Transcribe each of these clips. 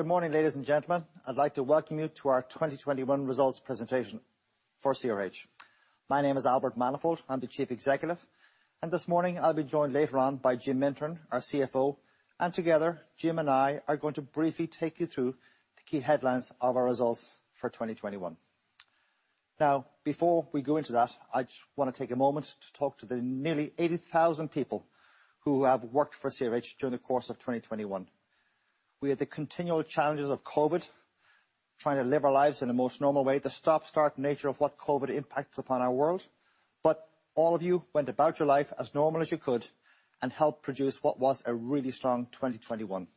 Good morning, ladies and gentlemen. I'd like to welcome you to our 2021 results presentation for CRH. My name is Albert Manifold, I'm the Chief Executive. This morning, I'll be joined later on by Jim Mintern, our CFO. Together, Jim and I are going to briefly take you through the key headlines of our results for 2021. Now, before we go into that, I just want to take a moment to talk to the nearly 80,000 people who have worked for CRH during the course of 2021. We had the continual challenges of COVID, trying to live our lives in the most normal way, the stop-start nature of what COVID impacted upon our world. But all of you went about your life as normal as you could, and helped produce what was a really strong 2021.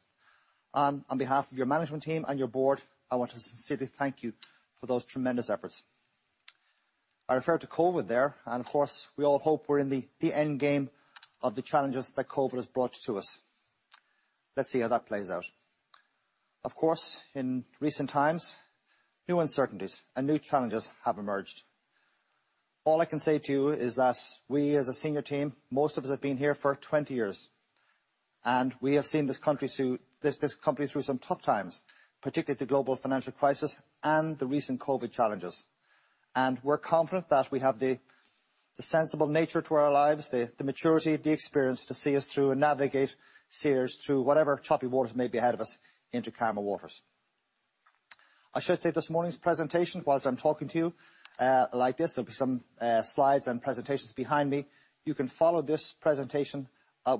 On behalf of your management team and your board, I want to sincerely thank you for those tremendous efforts. I referred to COVID there, and of course, we all hope we're in the end game of the challenges that COVID has brought to us. Let's see how that plays out. Of course, in recent times, new uncertainties and new challenges have emerged. All I can say to you is that we as a senior team, most of us have been here for 20 years, and we have seen this company through some tough times, particularly the global financial crisis and the recent COVID challenges. We're confident that we have the sensible nature to our lives, the maturity, the experience to see us through and navigate CRH through whatever choppy waters may be ahead of us into calmer waters. I should say this morning's presentation, whilst I'm talking to you like this, there'll be some slides and presentations behind me. You can follow this presentation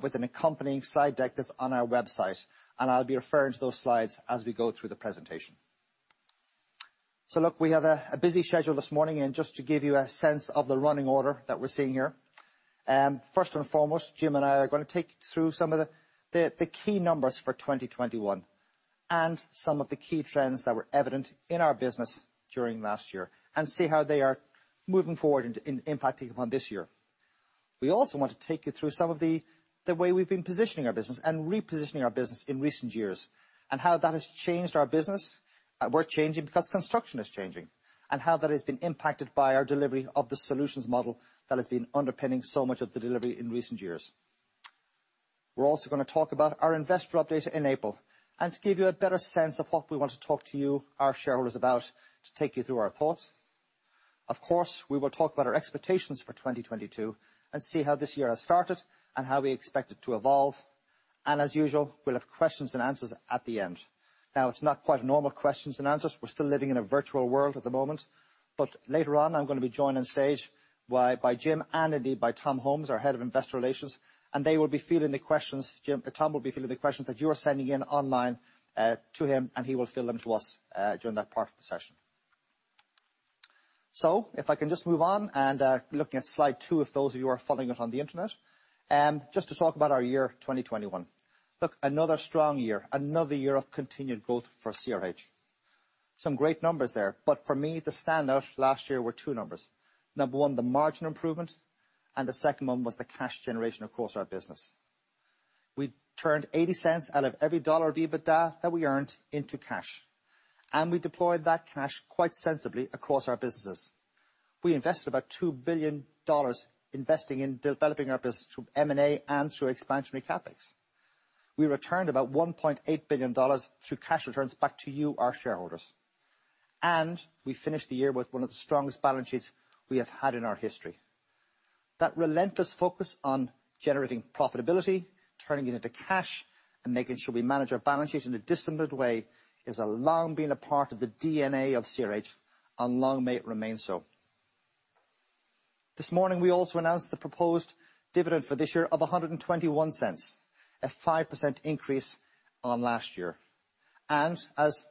with an accompanying slide deck that's on our website, and I'll be referring to those slides as we go through the presentation. Look, we have a busy schedule this morning, and just to give you a sense of the running order that we're seeing here. First and foremost, Jim and I are going to take you through some of the key numbers for 2021, and some of the key trends that were evident in our business during last year and see how they are moving forward and impacting upon this year. We also want to take you through some of the way we've been positioning our business and repositioning our business in recent years, and how that has changed our business. We're changing because construction is changing, and how that has been impacted by our delivery of the solutions model that has been underpinning so much of the delivery in recent years. We're also going to talk about our investor update in April, and to give you a better sense of what we want to talk to you, our shareholders, about, to take you through our thoughts. Of course, we will talk about our expectations for 2022 and see how this year has started and how we expect it to evolve. As usual, we'll have questions and answers at the end. Now, it's not quite normal questions and answers. We're still living in a virtual world at the moment. Later on, I'm going to be joined on stage by Jim and indeed by Tom Holmes, our Head of Investor Relations, and they will be fielding the questions. Jim, Tom will be fielding the questions that you are sending in online to him, and he will field them to us during that part of the session. If I can just move on and looking at slide two for those of you who are following it on the internet. Just to talk about our year 2021. Look, another strong year, another year of continued growth for CRH. Some great numbers there, but for me, the standout last year were two numbers. Number one, the margin improvement, and the second one was the cash generation across our business. We turned 80 cents out of every dollar of EBITDA that we earned into cash, and we deployed that cash quite sensibly across our businesses. We invested about $2 billion investing in developing our business through M&A and through expansionary CapEx. We returned about $1.8 billion through cash returns back to you, our shareholders. We finished the year with one of the strongest balance sheets we have had in our history. That relentless focus on generating profitability, turning it into cash, and making sure we manage our balance sheet in a disciplined way has long been a part of the DNA of CRH, and long may it remain so. This morning, we also announced the proposed dividend for this year of 1.21, a 5% increase on last year. As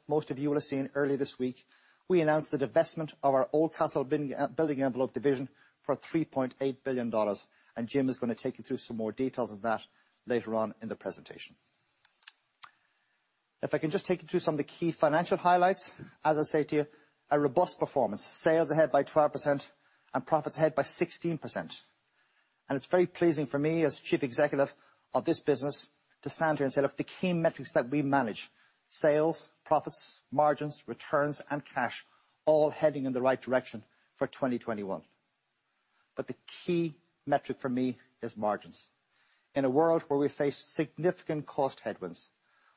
most of you will have seen earlier this week, we announced the divestment of our Oldcastle BuildingEnvelope division for $3.8 billion, and Jim is going to take you through some more details of that later on in the presentation. If I can just take you through some of the key financial highlights. As I say to you, a robust performance. Sales ahead by 12% and profits ahead by 16%. It's very pleasing for me as Chief Executive of this business to stand here and say, look, the key metrics that we manage, sales, profits, margins, returns, and cash all heading in the right direction for 2021. The key metric for me is margins. In a world where we face significant cost headwinds,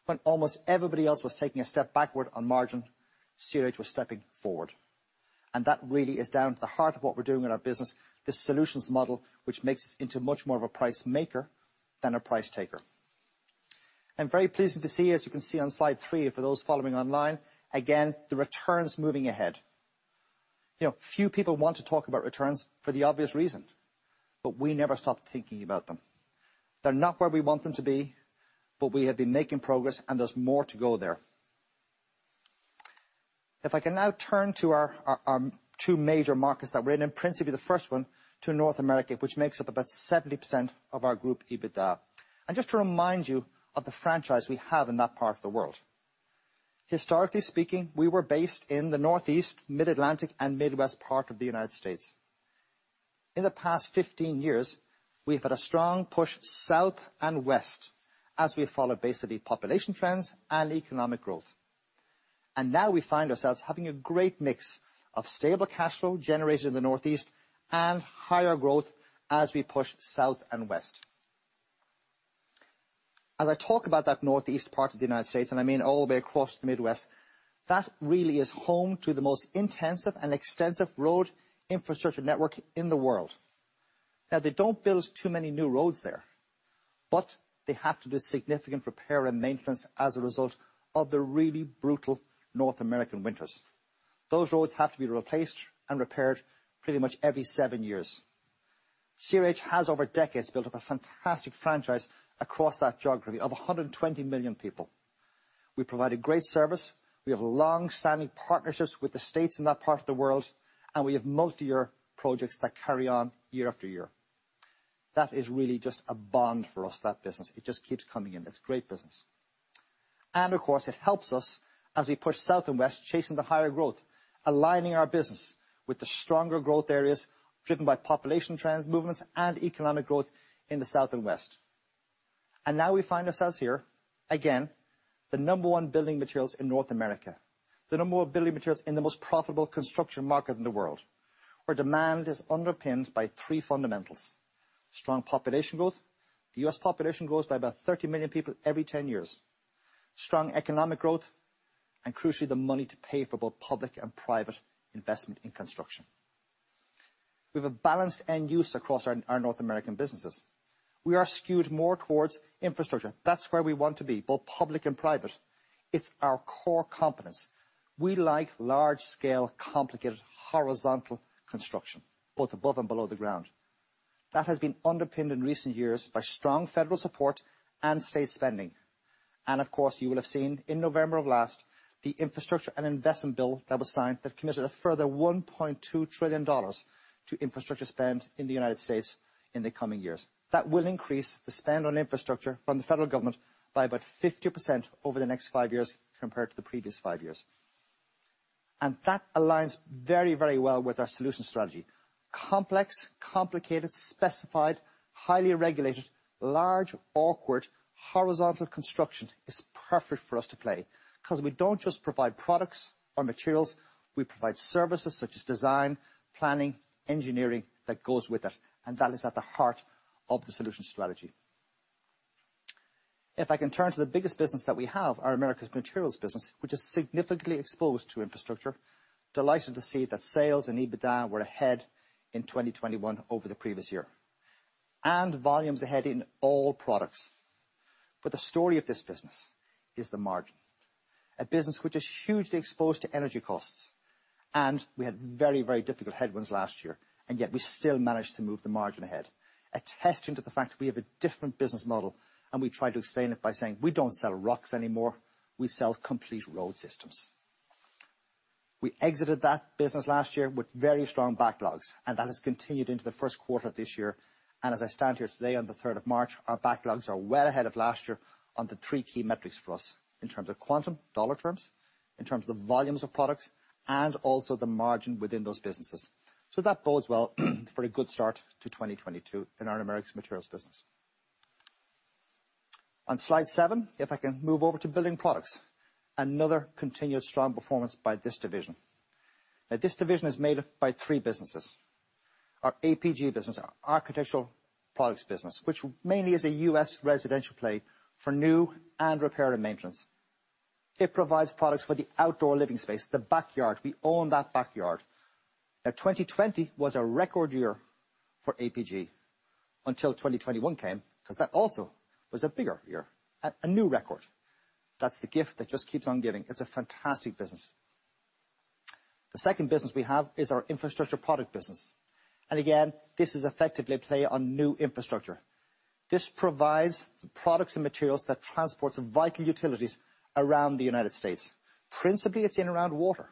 when almost everybody else was taking a step backward on margin, CRH was stepping forward. That really is down to the heart of what we're doing in our business, this solutions model, which makes us into much more of a price maker than a price taker. I'm very pleased to see, as you can see on slide three for those following online, again, the returns moving ahead. You know, few people want to talk about returns for the obvious reason, but we never stop thinking about them. They're not where we want them to be, but we have been making progress, and there's more to go there. If I can now turn to our two major markets that we're in, and principally the first one to North America, which makes up about 70% of our group EBITDA. Just to remind you of the franchise we have in that part of the world. Historically speaking, we were based in the Northeast, Mid-Atlantic, and Midwest part of the United States. In the past 15 years, we've had a strong push south and west as we followed basically population trends and economic growth. Now we find ourselves having a great mix of stable cashflow generated in the Northeast and higher growth as we push south and west. As I talk about that Northeast part of the United States, and I mean all the way across the Midwest, that really is home to the most intensive and extensive road infrastructure network in the world. Now, they don't build too many new roads there, but they have to do significant repair and maintenance as a result of the really brutal North American winters. Those roads have to be replaced and repaired pretty much every seven years. CRH has, over decades, built up a fantastic franchise across that geography of 100 million people. We provide a great service. We have longstanding partnerships with the states in that part of the world, and we have multi-year projects that carry on year after year. That is really just a bond for us, that business. It just keeps coming in. It's great business. Of course, it helps us as we push south and west, chasing the higher growth, aligning our business with the stronger growth areas driven by population trends, movements, and economic growth in the south and west. Now we find ourselves here. Again, the number one building materials in North America. The number one building materials in the most profitable construction market in the world, where demand is underpinned by three fundamentals, strong population growth. The U.S. population grows by about 30 million people every 10 years. Strong economic growth and, crucially, the money to pay for both public and private investment in construction. We have a balanced end use across our North American businesses. We are skewed more towards infrastructure. That's where we want to be, both public and private. It's our core competence. We like large-scale, complicated, horizontal construction, both above and below the ground. That has been underpinned in recent years by strong federal support and state spending. Of course, you will have seen in November of last year the Infrastructure Investment and Jobs Act that was signed, that committed a further $1.2 trillion to infrastructure spend in the United States in the coming years. That will increase the spend on infrastructure from the federal government by about 50% over the next five years compared to the previous five years. That aligns very, very well with our solution strategy. Complex, complicated, specified, highly regulated, large, awkward, horizontal construction is perfect for us to play, 'cause we don't just provide products or materials, we provide services such as design, planning, engineering that goes with it, and that is at the heart of the solution strategy. If I can turn to the biggest business that we have, our Americas Materials business, which is significantly exposed to infrastructure, I'm delighted to see that sales and EBITDA were ahead in 2021 over the previous year. Volumes ahead in all products. The story of this business is the margin. A business which is hugely exposed to energy costs, and we had very, very difficult headwinds last year, and yet we still managed to move the margin ahead. A testament to the fact we have a different business model, and we try to explain it by saying, "We don't sell rocks anymore, we sell complete road systems." We exited that business last year with very strong backlogs, and that has continued into the first quarter of this year. As I stand here today on the third of March, our backlogs are well ahead of last year on the three key metrics for us in terms of quantum dollar terms, in terms of the volumes of products, and also the margin within those businesses. That bodes well for a good start to 2022 in our Americas Materials business. On slide seven, if I can move over to Building Products. Another continued strong performance by this division. Now this division is made up by three businesses. Our APG business, our Architectural Products business, which mainly is a U.S. residential play for new and repair and maintenance. It provides products for the outdoor living space, the backyard. We own that backyard. Now 2020 was a record year for APG, until 2021 came, 'cause that also was a bigger year. A new record. That's the gift that just keeps on giving. It's a fantastic business. The second business we have is our Infrastructure Products business. Again, this is effectively a play on new infrastructure. This provides the products and materials that transports vital utilities around the United States. Principally, it's in and around water,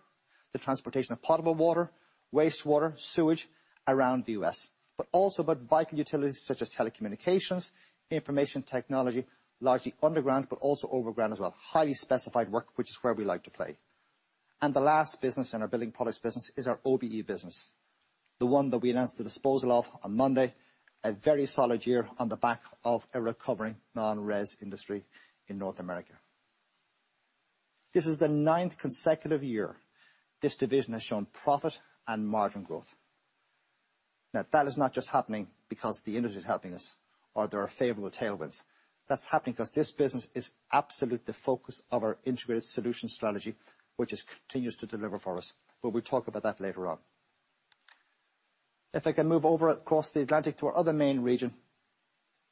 the transportation of potable water, wastewater, sewage around the U.S., but also about vital utilities such as telecommunications, information technology, largely underground, but also overground as well. Highly specified work, which is where we like to play. The last business in our Building Products business is our OBE business, the one that we announced the disposal of on Monday. A very solid year on the back of a recovering non-res industry in North America. This is the ninth consecutive year this division has shown profit and margin growth. Now, that is not just happening because the industry is helping us or there are favorable tailwinds. That's happening because this business is absolutely the focus of our integrated solutions strategy, which it continues to deliver for us. We'll talk about that later on. If I can move over across the Atlantic to our other main region,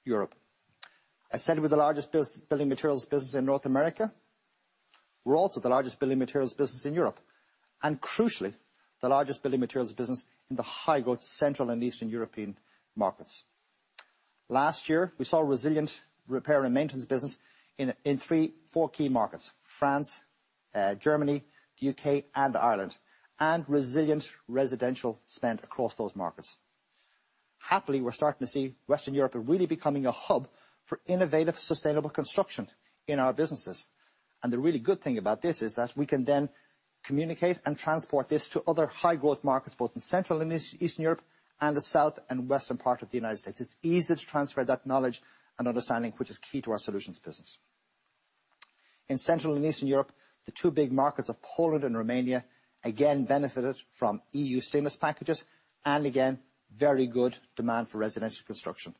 Europe. I said we're the largest building materials business in North America. We're also the largest building materials business in Europe and, crucially, the largest building materials business in the high-growth central and eastern European markets. Last year, we saw resilient repair and maintenance business in four key markets: France, Germany, the U.K., and Ireland. Resilient residential spend across those markets. Happily, we're starting to see Western Europe really becoming a hub for innovative, sustainable construction in our businesses. The really good thing about this is that we can then communicate and transport this to other high growth markets, both in Central and Eastern Europe, and the South and Western part of the United States. It's easy to transfer that knowledge and understanding, which is key to our solutions business. In Central and Eastern Europe, the two big markets of Poland and Romania again benefited from Next Generation EU. Again, very good demand for residential construction.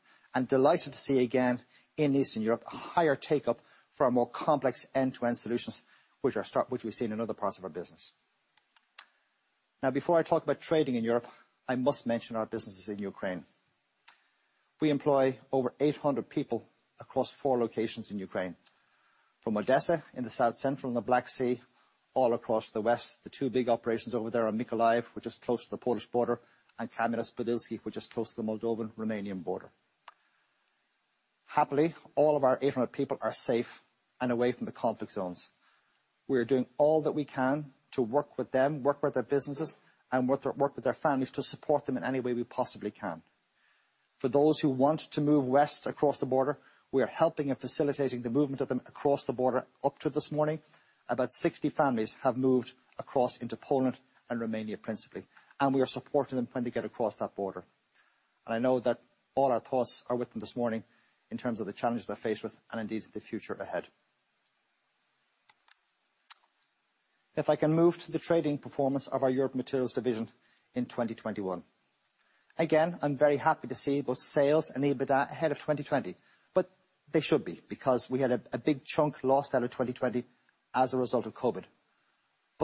Delighted to see again, in Eastern Europe, a higher take-up for our more complex end-to-end solutions, which we've seen in other parts of our business. Now, before I talk about trading in Europe, I must mention our businesses in Ukraine. We employ over 800 people across four locations in Ukraine. From Odesa in the South Central, and the Black Sea, all across the West. The two big operations over there are Mykolaiv, which is close to the Polish border, and Kamianets-Podilskyi, which is close to the Moldovan-Romanian border. Happily, all of our 800 people are safe and away from the conflict zones. We are doing all that we can to work with them, work with their businesses, and work with their families to support them in any way we possibly can. For those who want to move west across the border, we are helping and facilitating the movement of them across the border. Up to this morning, about 60 families have moved across into Poland and Romania, principally. We are supporting them when they get across that border. I know that all our thoughts are with them this morning in terms of the challenges they're faced with, and indeed, the future ahead. If I can move to the trading performance of our Europe Materials division in 2021. Again, I'm very happy to see both sales and EBITDA ahead of 2020. They should be, because we had a big chunk lost out of 2020 as a result of COVID.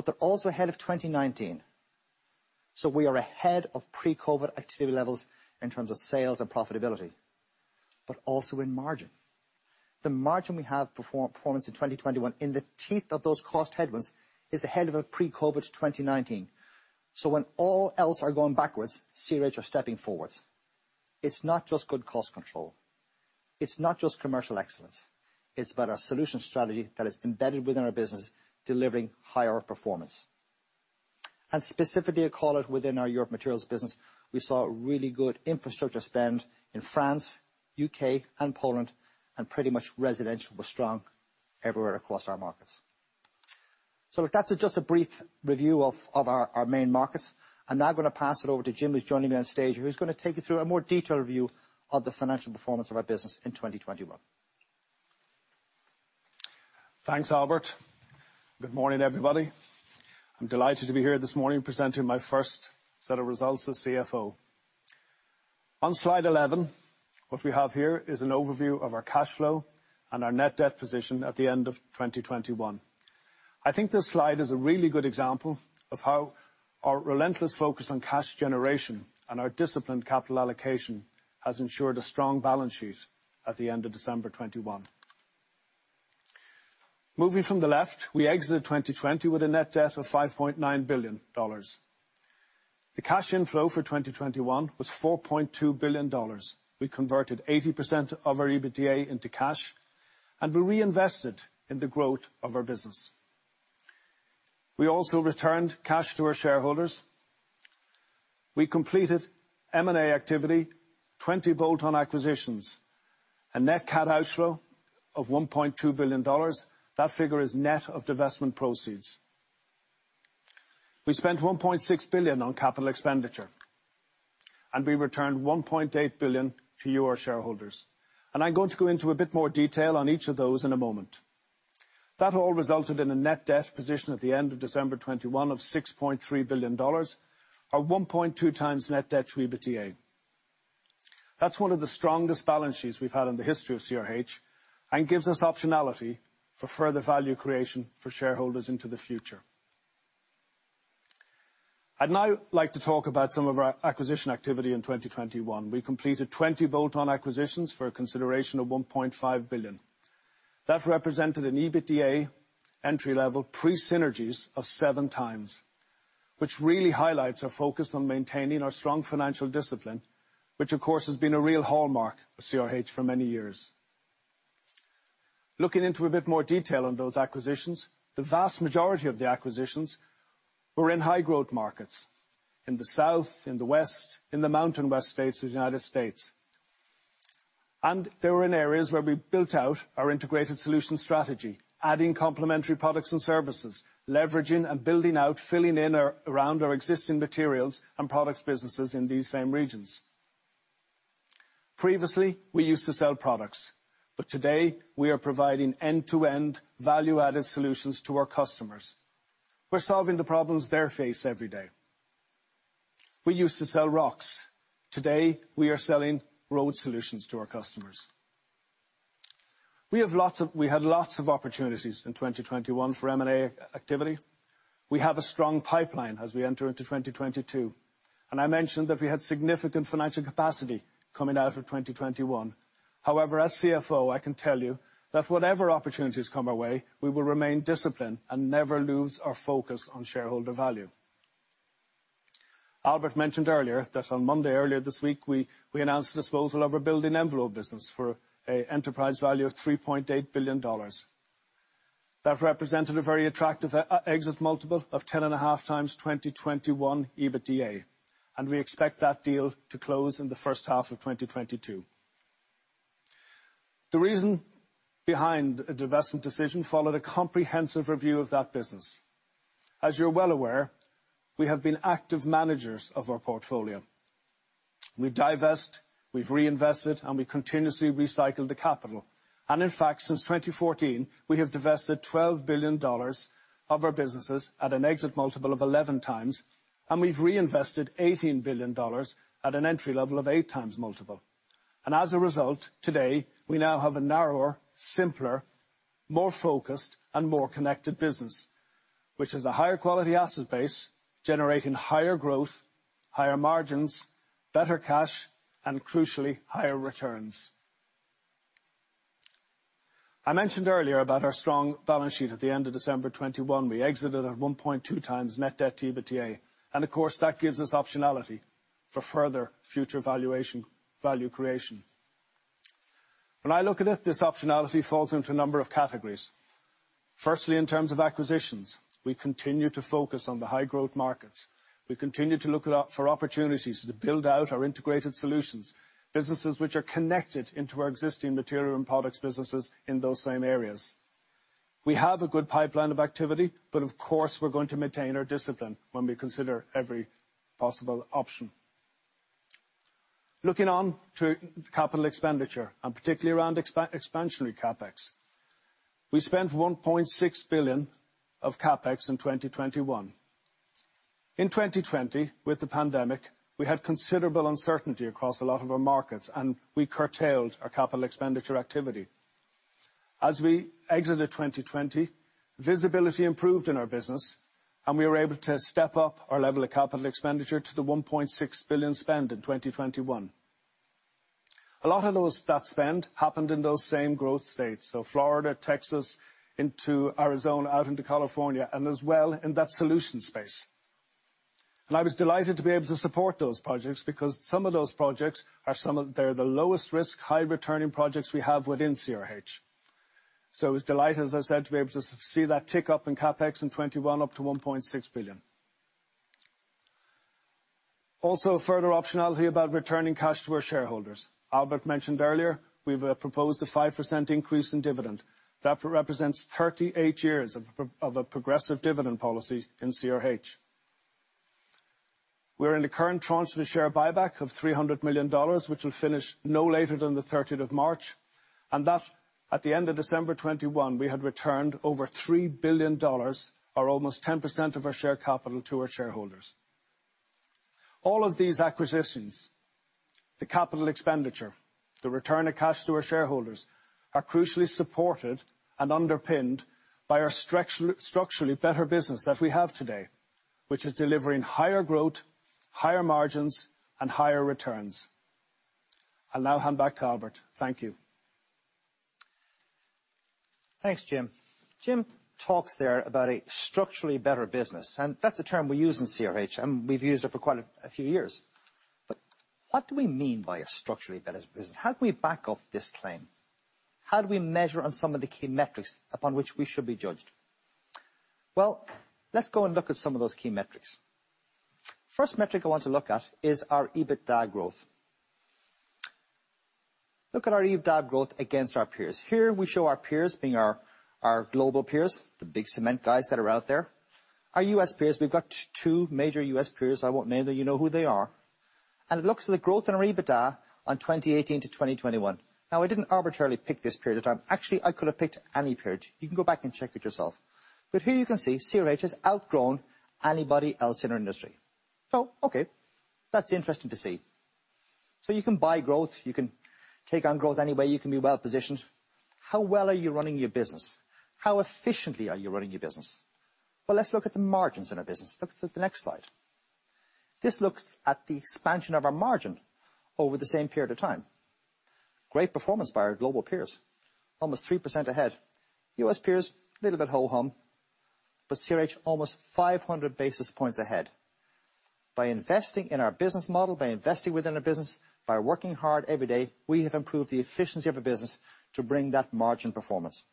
They're also ahead of 2019. We are ahead of pre-COVID activity levels in terms of sales and profitability, but also in margin. The margin performance we have in 2021, in the teeth of those cost headwinds, is ahead of a pre-COVID 2019. When all else are going backwards, CRH are stepping forwards. It's not just good cost control. It's not just commercial excellence. It's about our solution strategy that is embedded within our business, delivering higher performance. Specifically, a call out within our Europe Materials business, we saw really good infrastructure spend in France, U.K., and Poland. Pretty much residential was strong everywhere across our markets. Look, that's just a brief review of our main markets. I'm now going to pass it over to Jim, who's joining me on stage, who's going to take you through a more detailed review of the financial performance of our business in 2021. Thanks, Albert. Good morning, everybody. I'm delighted to be here this morning presenting my first set of results as CFO. On slide 11, what we have here is an overview of our cash flow and our net debt position at the end of 2021. I think this slide is a really good example of how our relentless focus on cash generation and our disciplined capital allocation has ensured a strong balance sheet at the end of December 2021. Moving from the left, we exited 2020 with a net debt of $5.9 billion. The cash inflow for 2021 was $4.2 billion. We converted 80% of our EBITDA into cash, and we reinvested in the growth of our business. We also returned cash to our shareholders. We completed M&A activity, 20 bolt-on acquisitions. A net cash outflow of $1.2 billion. That figure is net of divestment proceeds. We spent 1.6 billion on capital expenditure. We returned 1.8 billion to you, our shareholders. I'm going to go into a bit more detail on each of those in a moment. That all resulted in a net debt position at the end of December 2021 of $6.3 billion, or 1.2 times net debt to EBITDA. That's one of the strongest balance sheets we've had in the history of CRH, and gives us optionality for further value creation for shareholders into the future. I'd now like to talk about some of our acquisition activity in 2021. We completed 20 bolt-on acquisitions for a consideration of 1.5 billion. That represented an EBITDA entry level pre-synergies of 7x, which really highlights our focus on maintaining our strong financial discipline, which of course has been a real hallmark of CRH for many years. Looking into a bit more detail on those acquisitions, the vast majority of the acquisitions were in high growth markets. In the South, in the West, in the Mountain West states of the United States. They were in areas where we built out our integrated solution strategy, adding complementary products and services. Leveraging and building out, filling in our, around our existing materials and products businesses in these same regions. Previously, we used to sell products. Today, we are providing end-to-end value-added solutions to our customers. We're solving the problems they face every day. We used to sell rocks. Today, we are selling road solutions to our customers. We had lots of opportunities in 2021 for M&A activity. We have a strong pipeline as we enter into 2022. I mentioned that we had significant financial capacity coming out of 2021. However, as CFO, I can tell you that whatever opportunities come our way, we will remain disciplined and never lose our focus on shareholder value. Albert mentioned earlier that on Monday, earlier this week, we announced the disposal of our building envelope business for a enterprise value of $3.8 billion. That represented a very attractive exit multiple of 10.5x 2021 EBITDA. We expect that deal to close in the first half of 2022. The reason behind a divestment decision followed a comprehensive review of that business. As you're well aware, we have been active managers of our portfolio. We divest, we've reinvested, and we continuously recycle the capital. In fact, since 2014, we have divested $12 billion of our businesses at an exit multiple of 11x, and we've reinvested $18 billion at an entry multiple of 8x. As a result, today, we now have a narrower, simpler, more focused and more connected business, which is a higher quality asset base generating higher growth, higher margins, better cash and crucially, higher returns. I mentioned earlier about our strong balance sheet at the end of December 2021. We exited at 1.2x net debt to EBITDA. Of course, that gives us optionality for further future valuation, value creation. When I look at it, this optionality falls into a number of categories. Firstly, in terms of acquisitions, we continue to focus on the high growth markets. We continue to look for opportunities to build out our integrated solutions, businesses which are connected into our existing material and products businesses in those same areas. We have a good pipeline of activity, but of course, we're going to maintain our discipline when we consider every possible option. Looking on to capital expenditure, and particularly around expansionary CapEx. We spent 1.6 billion of CapEx in 2021. In 2020, with the pandemic, we had considerable uncertainty across a lot of our markets, and we curtailed our capital expenditure activity. As we exited 2020, visibility improved in our business, and we were able to step up our level of capital expenditure to the 1.6 billion spend in 2021. A lot of that spend happened in those same growth states, so Florida, Texas, into Arizona, out into California, and as well in that solution space. I was delighted to be able to support those projects because some of those projects are the lowest risk, high returning projects we have within CRH. I was delighted, as I said, to be able to see that tick up in CapEx in 2021 up to 1.6 billion. Also a further optionality about returning cash to our shareholders. Albert mentioned earlier, we've proposed a 5% increase in dividend. That represents 38 years of a progressive dividend policy in CRH. We're in the current tranche of a share buyback of $300 million, which will finish no later than the 13th of March. At the end of December 2021, we had returned over $3 billion or almost 10% of our share capital to our shareholders. All of these acquisitions, the capital expenditure, the return of cash to our shareholders, are crucially supported and underpinned by our structurally better business that we have today, which is delivering higher growth, higher margins, and higher returns. I'll now hand back to Albert. Thank you. Thanks, Jim. Jim talks there about a structurally better business, and that's a term we use in CRH, and we've used it for quite a few years. What do we mean by a structurally better business? How do we back up this claim? How do we measure on some of the key metrics upon which we should be judged? Well, let's go and look at some of those key metrics. First metric I want to look at is our EBITDA growth. Look at our EBITDA growth against our peers. Here we show our peers being our global peers, the big cement guys that are out there. Our U.S. peers, we've got two major U.S. peers. I won't name them. You know who they are. It looks at the growth in our EBITDA on 2018 to 2021. Now, I didn't arbitrarily pick this period of time. Actually, I could have picked any period. You can go back and check it yourself. Here you can see CRH has outgrown anybody else in our industry. Okay, that's interesting to see. You can buy growth, you can take on growth any way, you can be well-positioned. How well are you running your business? How efficiently are you running your business? Well, let's look at the margins in our business. Look to the next slide. This looks at the expansion of our margin over the same period of time. Great performance by our global peers. Almost 3% ahead. U.S. peers, little bit ho-hum. CRH, almost 500 basis points ahead. By investing in our business model, by investing within our business, by working hard every day, we have improved the efficiency of the business to bring that margin performance.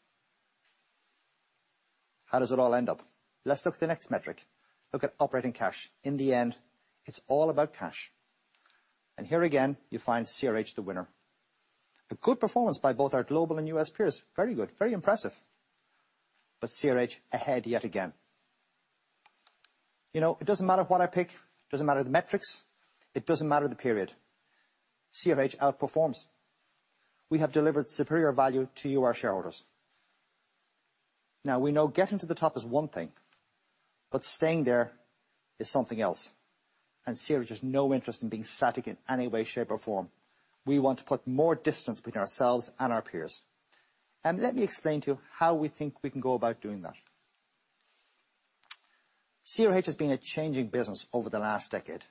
How does it all end up? Let's look at the next metric. Look at operating cash. In the end, it's all about cash. Here again, you find CRH the winner. A good performance by both our global and U.S. peers. Very good. Very impressive. CRH ahead yet again. You know, it doesn't matter what I pick, it doesn't matter the metrics, it doesn't matter the period. CRH outperforms. We have delivered superior value to you, our shareholders. Now, we know getting to the top is one thing, but staying there is something else. CRH has no interest in being static in any way, shape, or form. We want to put more distance between ourselves and our peers. Let me explain to you how we think we can go about doing that. CRH has been a changing business over the last decade.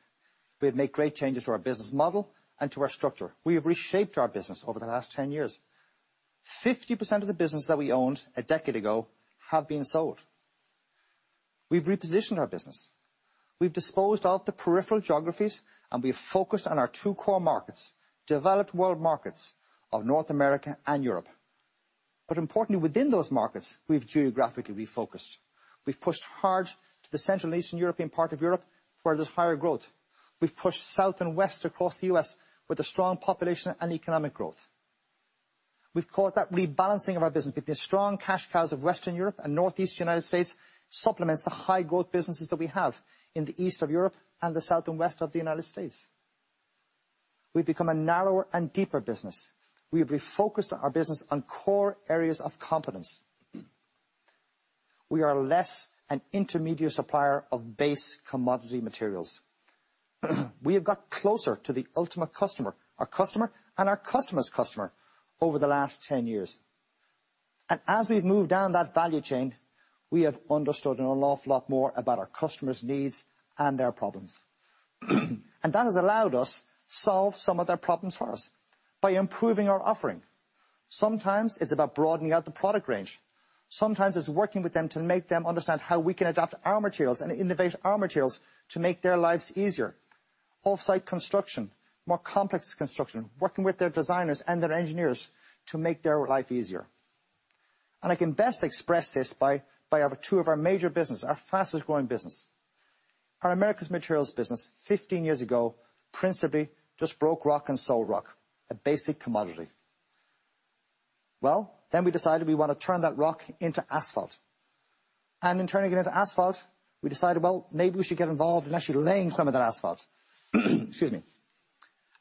We have made great changes to our business model and to our structure. We have reshaped our business over the last 10 years. 50% of the business that we owned a decade ago have been sold. We've repositioned our business. We've disposed of the peripheral geographies, and we've focused on our two core markets, developed world markets of North America and Europe. Importantly, within those markets, we've geographically refocused. We've pushed hard to the Central Eastern European part of Europe where there's higher growth. We've pushed south and west across the U.S. with a strong population and economic growth. We've called that rebalancing of our business. With the strong cash cows of Western Europe and Northeast United States supplements the high growth businesses that we have in the east of Europe and the south and west of the United States. We've become a narrower and deeper business. We have refocused our business on core areas of competence. We are less an intermediate supplier of base commodity materials. We have got closer to the ultimate customer, our customer, and our customer's customer over the last 10 years. As we've moved down that value chain, we have understood an awful lot more about our customer's needs and their problems. That has allowed us solve some of their problems for us by improving our offering. Sometimes it's about broadening out the product range. Sometimes it's working with them to make them understand how we can adapt our materials and innovate our materials to make their lives easier. Offsite construction, more complex construction, working with their designers and their engineers to make their life easier. I can best express this by two of our major business, our fastest-growing business. Our Americas Materials business, 15 years ago, principally just broke rock and sold rock, a basic commodity. Well, we decided we want to turn that rock into asphalt. In turning it into asphalt, we decided, well, maybe we should get involved in actually laying some of that asphalt. Excuse me.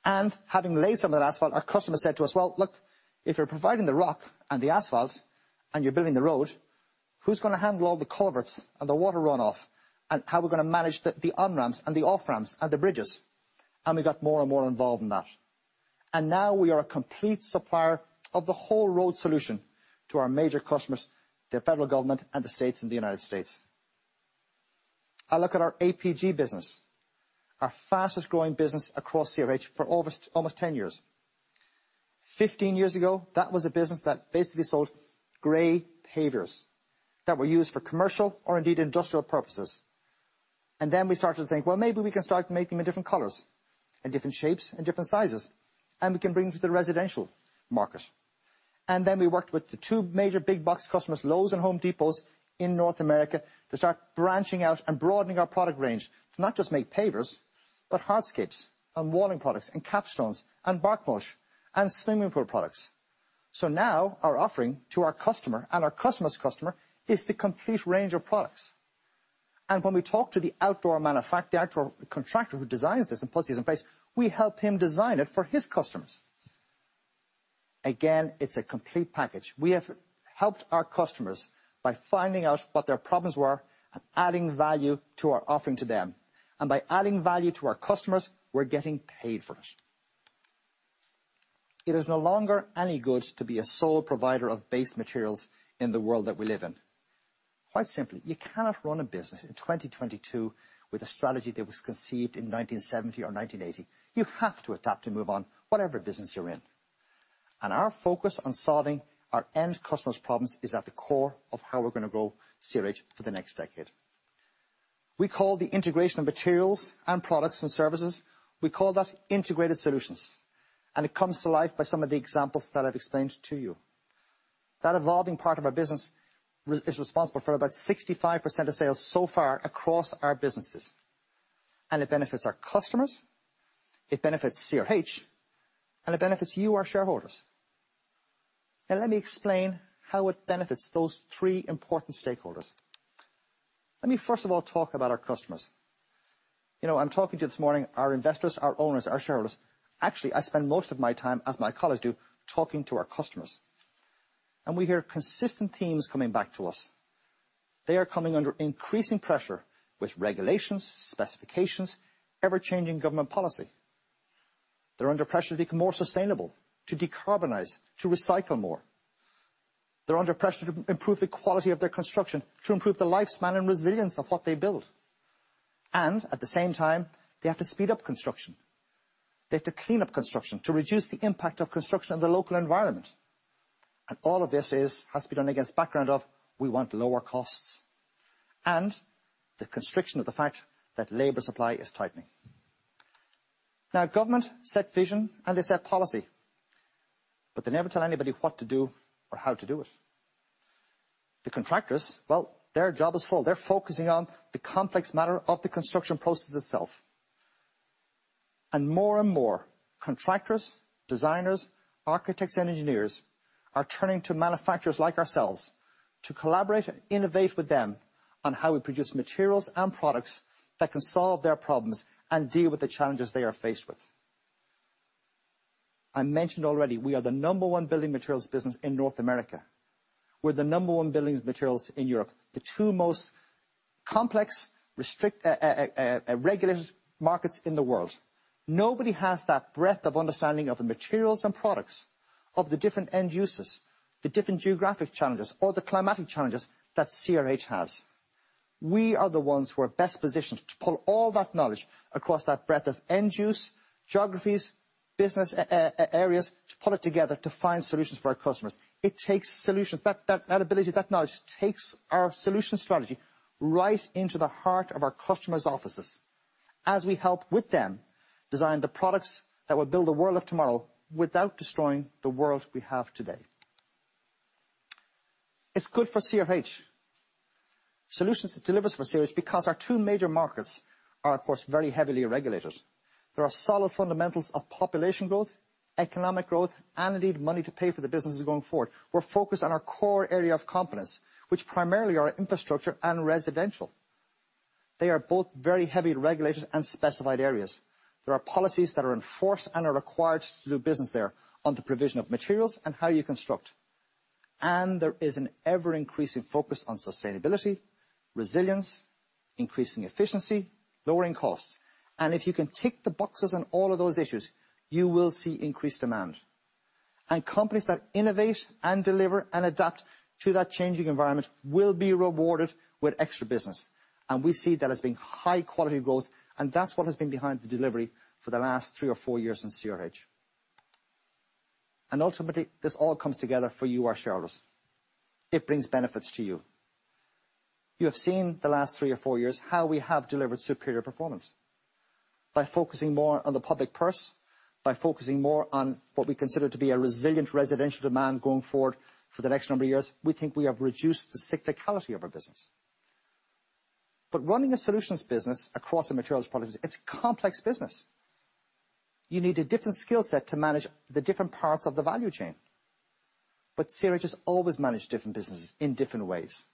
Having laid some of that asphalt, our customer said to us, "Well, look, if you're providing the rock and the asphalt and you're building the road, who's going to handle all the culverts and the water runoff, and how we're going to manage the on-ramps and the off-ramps and the bridges?" We got more and more involved in that. Now we are a complete supplier of the whole road solution to our major customers, the federal government and the states in the United States. I look at our APG business, our fastest-growing business across CRH for over almost 10 years. 15 years ago, that was a business that basically sold gray pavers that were used for commercial or indeed industrial purposes. Then we started to think, well, maybe we can start making them in different colors and different shapes and different sizes, and we can bring to the residential market. Then we worked with the two major big box customers, Lowe's and The Home Depot in North America, to start branching out and broadening our product range to not just make pavers, but hardscapes and walling products and cap stones and bark mulch and swimming pool products. Now our offering to our customer and our customer's customer is the complete range of products. When we talk to the outdoor contractor who designs this and puts this in place, we help him design it for his customers. Again, it's a complete package. We have helped our customers by finding out what their problems were and adding value to our offering to them. By adding value to our customers, we're getting paid for it. It is no longer any good to be a sole provider of base materials in the world that we live in. Quite simply, you cannot run a business in 2022 with a strategy that was conceived in 1970 or 1980. You have to adapt and move on, whatever business you're in. Our focus on solving our end customers' problems is at the core of how we're going to grow CRH for the next decade. We call the integration of materials and products and services, we call that integrated solutions, and it comes to life by some of the examples that I've explained to you. That evolving part of our business is responsible for about 65% of sales so far across our businesses, and it benefits our customers, it benefits CRH, and it benefits you, our shareholders. Now, let me explain how it benefits those three important stakeholders. Let me first of all talk about our customers. You know, I'm talking to you this morning, our investors, our owners, our shareholders. Actually, I spend most of my time, as my colleagues do, talking to our customers, and we hear consistent themes coming back to us. They are coming under increasing pressure with regulations, specifications, ever-changing government policy. They're under pressure to become more sustainable, to decarbonize, to recycle more. They're under pressure to improve the quality of their construction, to improve the lifespan and resilience of what they build. At the same time, they have to speed up construction. They have to clean up construction to reduce the impact of construction on the local environment. All of this has to be done against a background of we want lower costs and the constraint of the fact that labor supply is tightening. Now, governments set the vision and they set policy, but they never tell anybody what to do or how to do it. The contractors, well, their job is full. They're focusing on the complex matter of the construction process itself. More and more contractors, designers, architects and engineers are turning to manufacturers like ourselves to collaborate and innovate with them on how we produce materials and products that can solve their problems and deal with the challenges they are faced with. I mentioned already we are the number one building materials business in North America. We're the number one building materials in Europe. The two most complex, restricted, regulated markets in the world. Nobody has that breadth of understanding of the materials and products, of the different end uses, the different geographic challenges or the climatic challenges that CRH has. We are the ones who are best positioned to pull all that knowledge across that breadth of end use, geographies, business areas to pull it together to find solutions for our customers. It takes solutions. That ability, that knowledge takes our solution strategy right into the heart of our customers' offices. As we help them design the products that will build the world of tomorrow without destroying the world we have today. It's good for CRH. Solutions that delivers for CRH because our two major markets are, of course, very heavily regulated. There are solid fundamentals of population growth, economic growth, and indeed money to pay for the businesses going forward. We're focused on our core area of competence, which primarily are infrastructure and residential. They are both very heavily regulated and specified areas. There are policies that are enforced and are required to do business there on the provision of materials and how you construct. There is an ever-increasing focus on sustainability, resilience, increasing efficiency, lowering costs. If you can tick the boxes on all of those issues, you will see increased demand. Companies that innovate and deliver and adapt to that changing environment will be rewarded with extra business. We see that as being high quality growth, and that's what has been behind the delivery for the last three or four years since CRH. Ultimately, this all comes together for you, our shareholders. It brings benefits to you. You have seen the last three or four years how we have delivered superior performance. By focusing more on the public purse, by focusing more on what we consider to be a resilient residential demand going forward for the next number of years, we think we have reduced the cyclicality of our business. Running a solutions business across the materials products, it's complex business. You need a different skill set to manage the different parts of the value chain. CRH has always managed different businesses in different ways,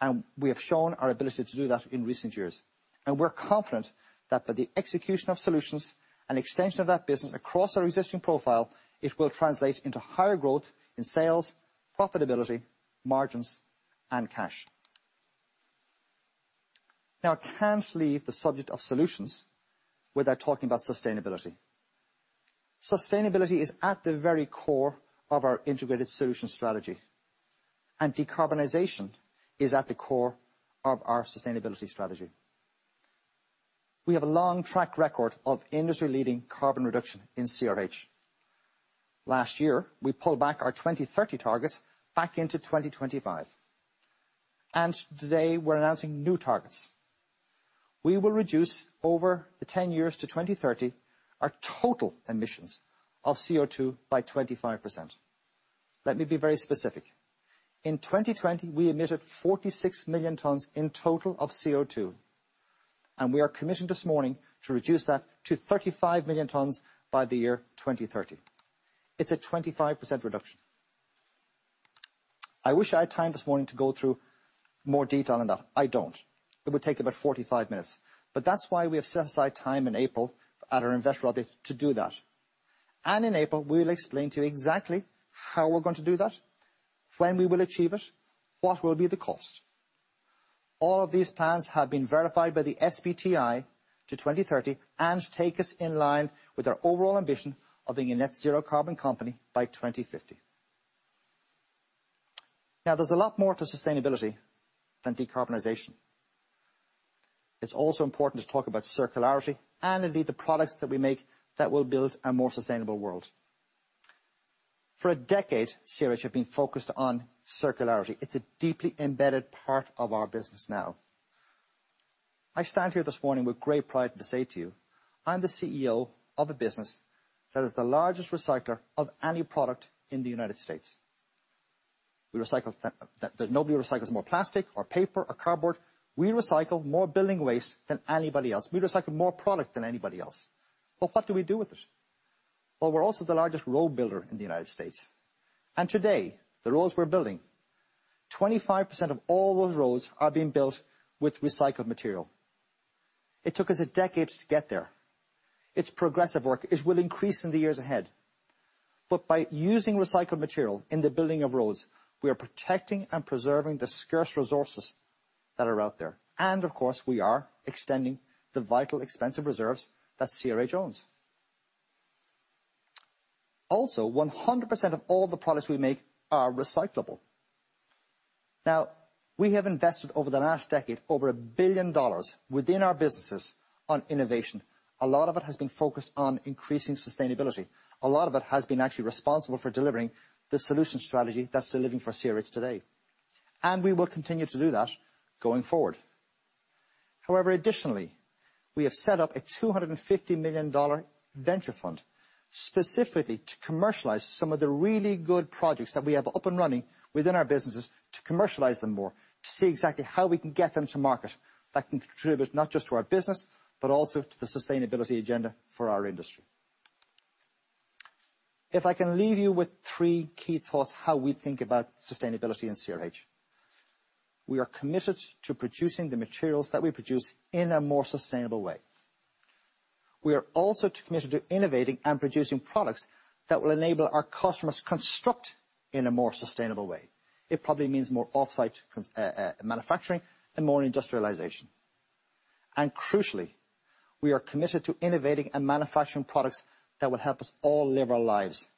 and we have shown our ability to do that in recent years. We're confident that by the execution of solutions and extension of that business across our existing profile, it will translate into higher growth in sales, profitability, margins, and cash. Now I can't leave the subject of solutions without talking about sustainability. Sustainability is at the very core of our integrated solution strategy. Decarbonization is at the core of our sustainability strategy. We have a long track record of industry-leading carbon reduction in CRH. Last year, we pulled back our 2030 targets back into 2025. Today we're announcing new targets. We will reduce over the 10 years to 2030 our total emissions of CO2 by 25%. Let me be very specific. In 2020, we emitted 46 million tons in total of CO2, and we are committing this morning to reduce that to 35 million tons by the year 2030. It's a 25% reduction. I wish I had time this morning to go through more detail on that. I don't. It would take about 45 minutes. That's why we have set aside time in April at our investor update to do that. In April, we'll explain to you exactly how we're going to do that, when we will achieve it, what will be the cost. All of these plans have been verified by the SBTi to 2030 and take us in line with our overall ambition of being a net zero carbon company by 2050. Now, there's a lot more to sustainability than decarbonization. It's also important to talk about circularity and indeed the products that we make that will build a more sustainable world. For a decade, CRH have been focused on circularity. It's a deeply embedded part of our business now. I stand here this morning with great pride to say to you, I'm the CEO of a business that is the largest recycler of any product in the United States. We recycle. Nobody recycles more plastic or paper or cardboard. We recycle more building waste than anybody else. We recycle more product than anybody else. But what do we do with it? Well, we're also the largest road builder in the United States. Today, the roads we're building, 25% of all those roads are being built with recycled material. It took us a decade to get there. It's progressive work. It will increase in the years ahead. By using recycled material in the building of roads, we are protecting and preserving the scarce resources that are out there. Of course, we are extending the vital, expensive reserves that CRH owns. Also, 100% of all the products we make are recyclable. Now, we have invested over the last decade, over $1 billion within our businesses on innovation. A lot of it has been focused on increasing sustainability. A lot of it has been actually responsible for delivering the solution strategy that's delivering for CRH today. We will continue to do that going forward. However, additionally, we have set up a $250 million venture fund specifically to commercialize some of the really good projects that we have up and running within our businesses to commercialize them more, to see exactly how we can get them to market that can contribute not just to our business, but also to the sustainability agenda for our industry. If I can leave you with three key thoughts how we think about sustainability in CRH. We are committed to producing the materials that we produce in a more sustainable way. We are also committed to innovating and producing products that will enable our customers construct in a more sustainable way. It probably means more off-site manufacturing and more industrialization. Crucially, we are committed to innovating and manufacturing products that will help us all live our lives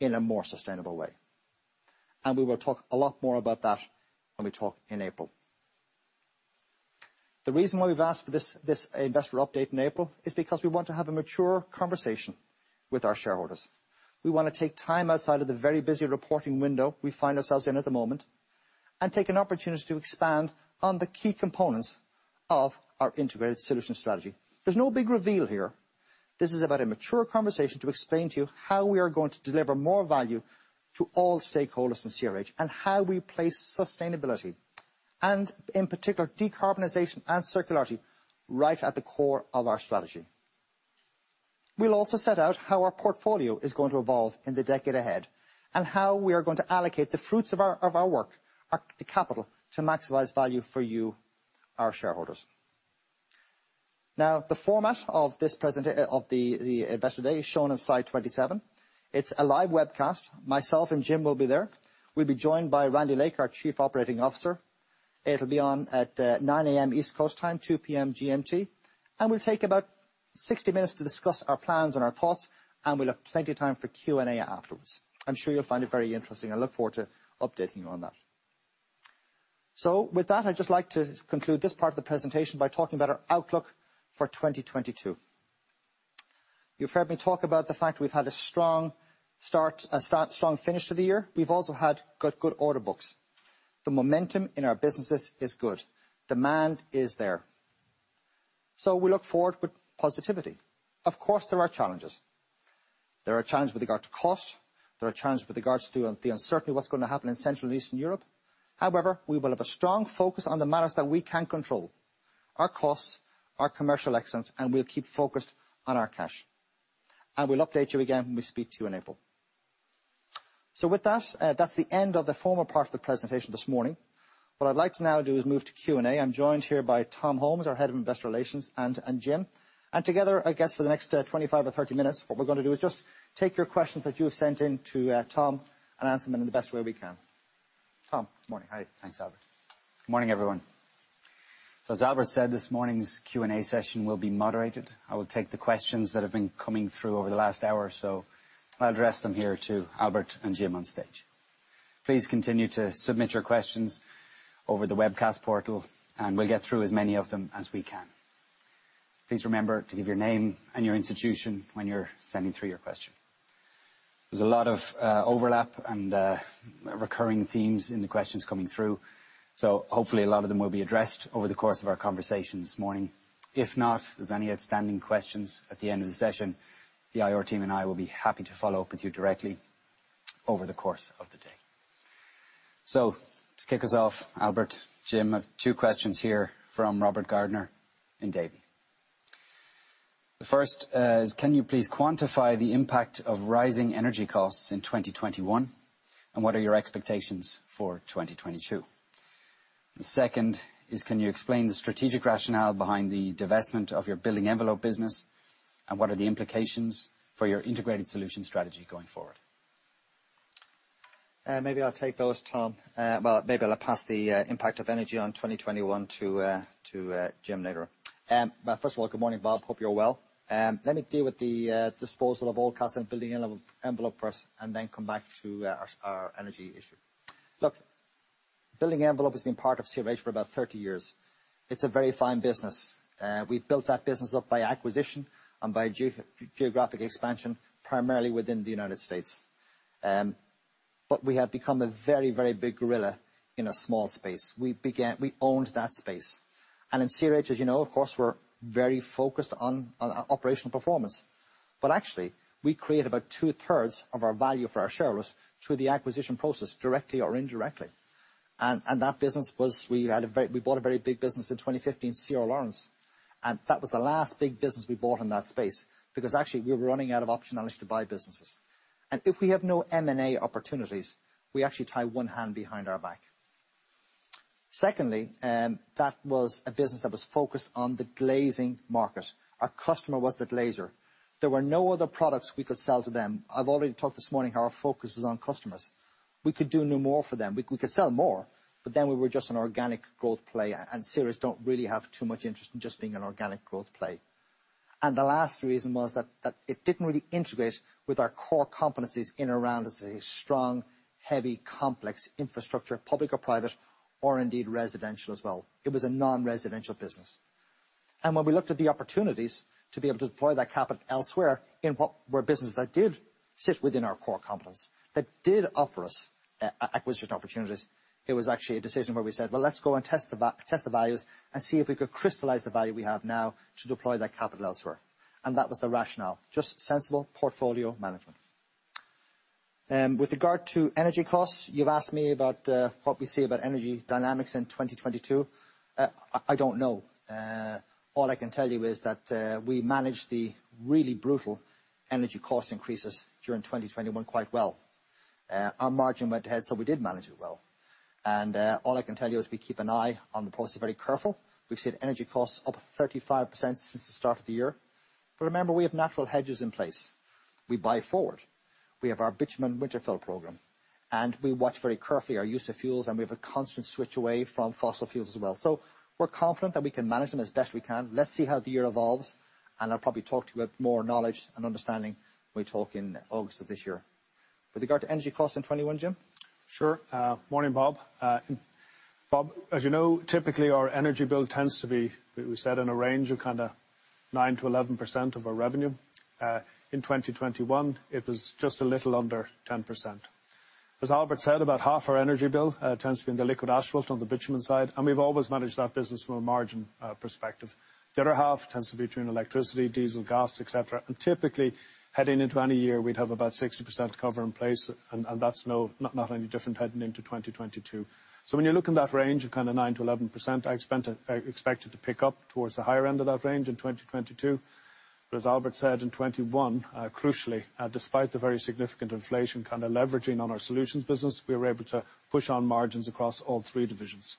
in a more sustainable way. We will talk a lot more about that when we talk in April. The reason why we've asked for this investor update in April is because we want to have a mature conversation with our shareholders. We want to take time outside of the very busy reporting window we find ourselves in at the moment. Take an opportunity to expand on the key components of our integrated solutions strategy. There's no big reveal here. This is about a mature conversation to explain to you how we are going to deliver more value to all stakeholders in CRH, and how we place sustainability, and in particular decarbonization and circularity, right at the core of our strategy. We'll also set out how our portfolio is going to evolve in the decade ahead, and how we are going to allocate the fruits of our work, our capital to maximize value for you, our shareholders. Now, the format of this investor day is shown on slide 27. It's a live webcast. Myself and Jim will be there. We'll be joined by Randy Lake, our Chief Operating Officer. It'll be on at 9 A.M. East Coast time, 2 P.M. GMT. We'll take about 60 minutes to discuss our plans and our thoughts, and we'll have plenty of time for Q&A afterwards. I'm sure you'll find it very interesting. I look forward to updating you on that. With that, I'd just like to conclude this part of the presentation by talking about our outlook for 2022. You've heard me talk about the fact we've had a strong start, a strong finish to the year. We've also had good order books. The momentum in our businesses is good. Demand is there. We look forward with positivity. Of course, there are challenges. There are challenges with regard to cost. There are challenges with regard to the uncertainty of what's going to happen in Central and Eastern Europe. However, we will have a strong focus on the matters that we can control, our costs, our commercial excellence, and we'll keep focused on our cash. We'll update you again when we speak to you in April. With that's the end of the formal part of the presentation this morning. What I'd like to now do is move to Q&A. I'm joined here by Tom Holmes, our Head of Investor Relations, and Jim Mintern. Together, I guess for the next 25 or 30 minutes, what we're going to do is just take your questions that you have sent in to Tom, and answer them in the best way we can. Tom, good morning. Hi. Thanks, Albert. Good morning, everyone. As Albert said, this morning's Q&A session will be moderated. I will take the questions that have been coming through over the last hour so I'll address them here to Albert and Jim on stage. Please continue to submit your questions over the webcast portal, and we'll get through as many of them as we can. Please remember to give your name and your institution when you're sending through your question. There's a lot of overlap and recurring themes in the questions coming through, so hopefully a lot of them will be addressed over the course of our conversation this morning. If not, if there's any outstanding questions at the end of the session, the IR team and I will be happy to follow up with you directly over the course of the day. To kick us off, Albert, Jim, I have two questions here from Robert Gardiner in Davy. The first is, can you please quantify the impact of rising energy costs in 2021, and what are your expectations for 2022? The second is, can you explain the strategic rationale behind the divestment of your building envelope business, and what are the implications for your integrated solution strategy going forward? Maybe I'll take those, Tom. Well, maybe I'll pass the impact of energy on 2021 to Jim later. First of all, good morning, Robert Gardiner. Hope you're well. Let me deal with the disposal of Oldcastle Building Envelope first and then come back to our energy issue. Look, Building Envelope has been part of CRH for about 30 years. It's a very fine business. We built that business up by acquisition and by geographic expansion, primarily within the United States. We have become a very big gorilla in a small space. We owned that space. In CRH, as you know, of course, we're very focused on operational performance. Actually, we create about two-thirds of our value for our shareholders through the acquisition process, directly or indirectly. That business was we bought a very big business in 2015, C.R. Laurence. That was the last big business we bought in that space because actually we were running out of optionality to buy businesses. If we have no M&A opportunities, we actually tie one hand behind our back. Secondly, that was a business that was focused on the glazing market. Our customer was the glazer. There were no other products we could sell to them. I've already talked this morning how our focus is on customers. We could do no more for them. We could sell more, but then we were just an organic growth play, and CRH don't really have too much interest in just being an organic growth play. The last reason was that it didn't really integrate with our core competencies in and around as a strong, heavy, complex infrastructure, public or private, or indeed residential as well. It was a non-residential business. When we looked at the opportunities to be able to deploy that capital elsewhere in what were businesses that did sit within our core competence, that did offer us acquisition opportunities, it was actually a decision where we said, "Well, let's go and test the values and see if we could crystallize the value we have now to deploy that capital elsewhere." That was the rationale, just sensible portfolio management. With regard to energy costs, you've asked me about what we see about energy dynamics in 2022. I don't know. All I can tell you is that we managed the really brutal energy cost increases during 2021 quite well. Our margin went ahead, so we did manage it well. All I can tell you is we keep an eye on the process very careful. We've seen energy costs up 35% since the start of the year. Remember, we have natural hedges in place. We buy forward. We have our bitumen winter fill program. We watch very carefully our use of fuels, and we have a constant switch away from fossil fuels as well. We're confident that we can manage them as best we can. Let's see how the year evolves, and I'll probably talk to you with more knowledge and understanding when we talk in August of this year. With regard to energy costs in 2021, Jim? Sure. Morning, Robert Gardiner. Robert Gardiner, as you know, typically our energy bill tends to be, we see it in a range of kind of 9%-11% of our revenue. In 2021, it was just a little under 10%. As Albert said, about half our energy bill tends to be in the liquid asphalt on the bitumen side, and we've always managed that business from a margin perspective. The other half tends to be between electricity, diesel, gas, et cetera. Typically, heading into any year, we'd have about 60% cover in place, and that's not any different heading into 2022. When you look in that range of kind of 9%-11%, I expect it to pick up towards the higher end of that range in 2022. As Albert said, in 2021, crucially, despite the very significant inflation kind of leveraging on our solutions business, we were able to push on margins across all three divisions.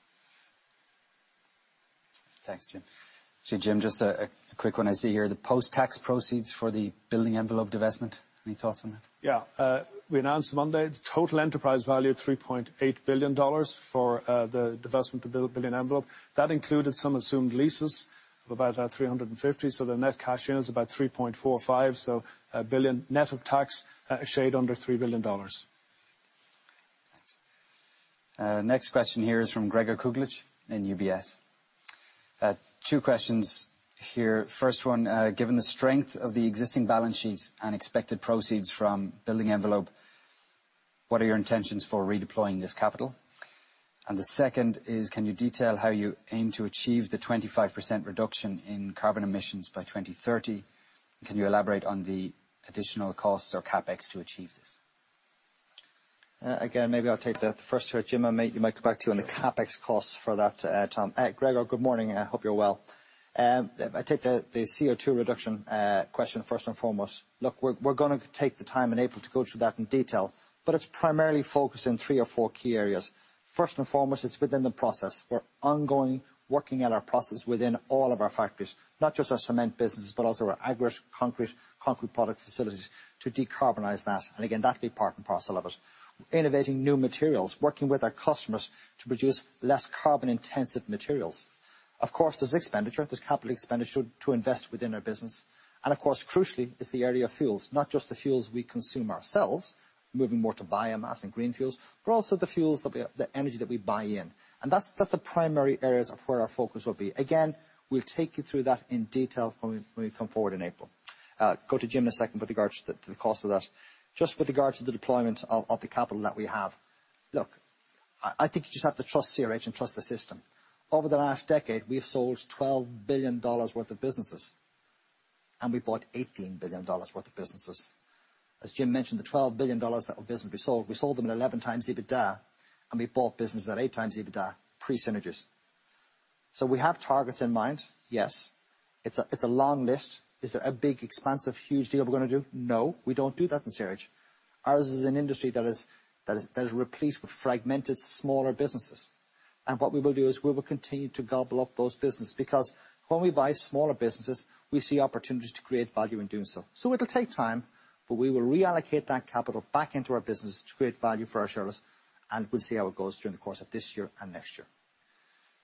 Thanks, Jim. Jim, just a quick one I see here, the post-tax proceeds for the building envelope divestment. Any thoughts on that? We announced Monday the total enterprise value of $3.8 billion for the divestment of Oldcastle Building Envelope. That included some assumed leases of about 350 million. The net cash in is about 3.45 billion, net of tax, a shade under $3 billion. Thanks. Next question here is from Gregor Kuglitsch in UBS. Two questions here. First one, given the strength of the existing balance sheet and expected proceeds from building envelope, what are your intentions for redeploying this capital? The second is, can you detail how you aim to achieve the 25% reduction in carbon emissions by 2030? Can you elaborate on the additional costs or CapEx to achieve this? Again, maybe I'll take the first here, Jim. I might come back to you on the CapEx costs for that, Tom. Gregor, good morning. I hope you're well. If I take the CO2 reduction question first and foremost. Look, we're going to take the time in April to go through that in detail, but it's primarily focused in three or four key areas. First and foremost, it's within the process. We're ongoing working at our process within all of our factories. Not just our cement businesses, but also our aggregate, concrete product facilities to decarbonize that. Again, that'd be part and parcel of it. Innovating new materials, working with our customers to produce less carbon-intensive materials. Of course, there's expenditure, capital expenditure to invest within our business. Of course, crucially is the area of fuels Not just the fuels we consume ourselves, moving more to biomass and green fuels, but also the energy that we buy in. That's the primary areas of where our focus will be. Again, we'll take you through that in detail when we come forward in April. Go to Jim in a second with regards to the cost of that. Just with regards to the deployment of the capital that we have. Look, I think you just have to trust CRH and trust the system. Over the last decade, we've sold $12 billion worth of businesses, and we bought $18 billion worth of businesses. As Jim mentioned, the $12 billion of business we sold, we sold them at 11 times EBITDA, and we bought business at eight times EBITDA, pre-synergies. We have targets in mind, yes. It's a long list. Is it a big, expansive, huge deal we're going to do? No, we don't do that in CRH. Ours is an industry that is replete with fragmented smaller businesses. What we will do is we will continue to gobble up those business because when we buy smaller businesses, we see opportunities to create value in doing so. It'll take time, but we will reallocate that capital back into our business to create value for our shareholders, and we'll see how it goes during the course of this year and next year.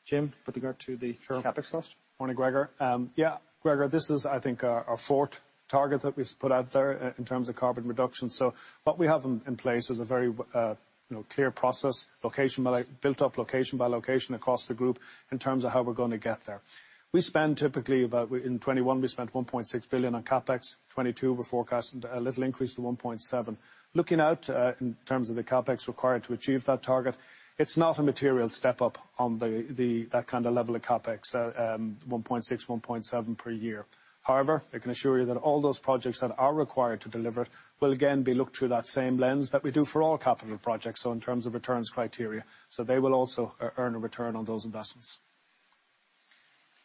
Jim, with regard to the- Sure. CapEx cost. Morning, Gregor. Yeah. Gregor, this is, I think, our fourth target that we've put out there in terms of carbon reduction. What we have in place is a very, you know, clear process, location by location built up location by location across the group in terms of how we're going to get there. We spend typically about. In 2021 we spent 1.6 billion on CapEx. In 2022 we're forecasting a little increase to 1.7 billion. Looking out in terms of the CapEx required to achieve that target, it's not a material step up on that kind of level of CapEx. 1.6 billion, 1.7 billion per year. However, I can assure you that all those projects that are required to deliver it will again be looked through that same lens that we do for all capital projects, so in terms of returns criteria. They will also earn a return on those investments.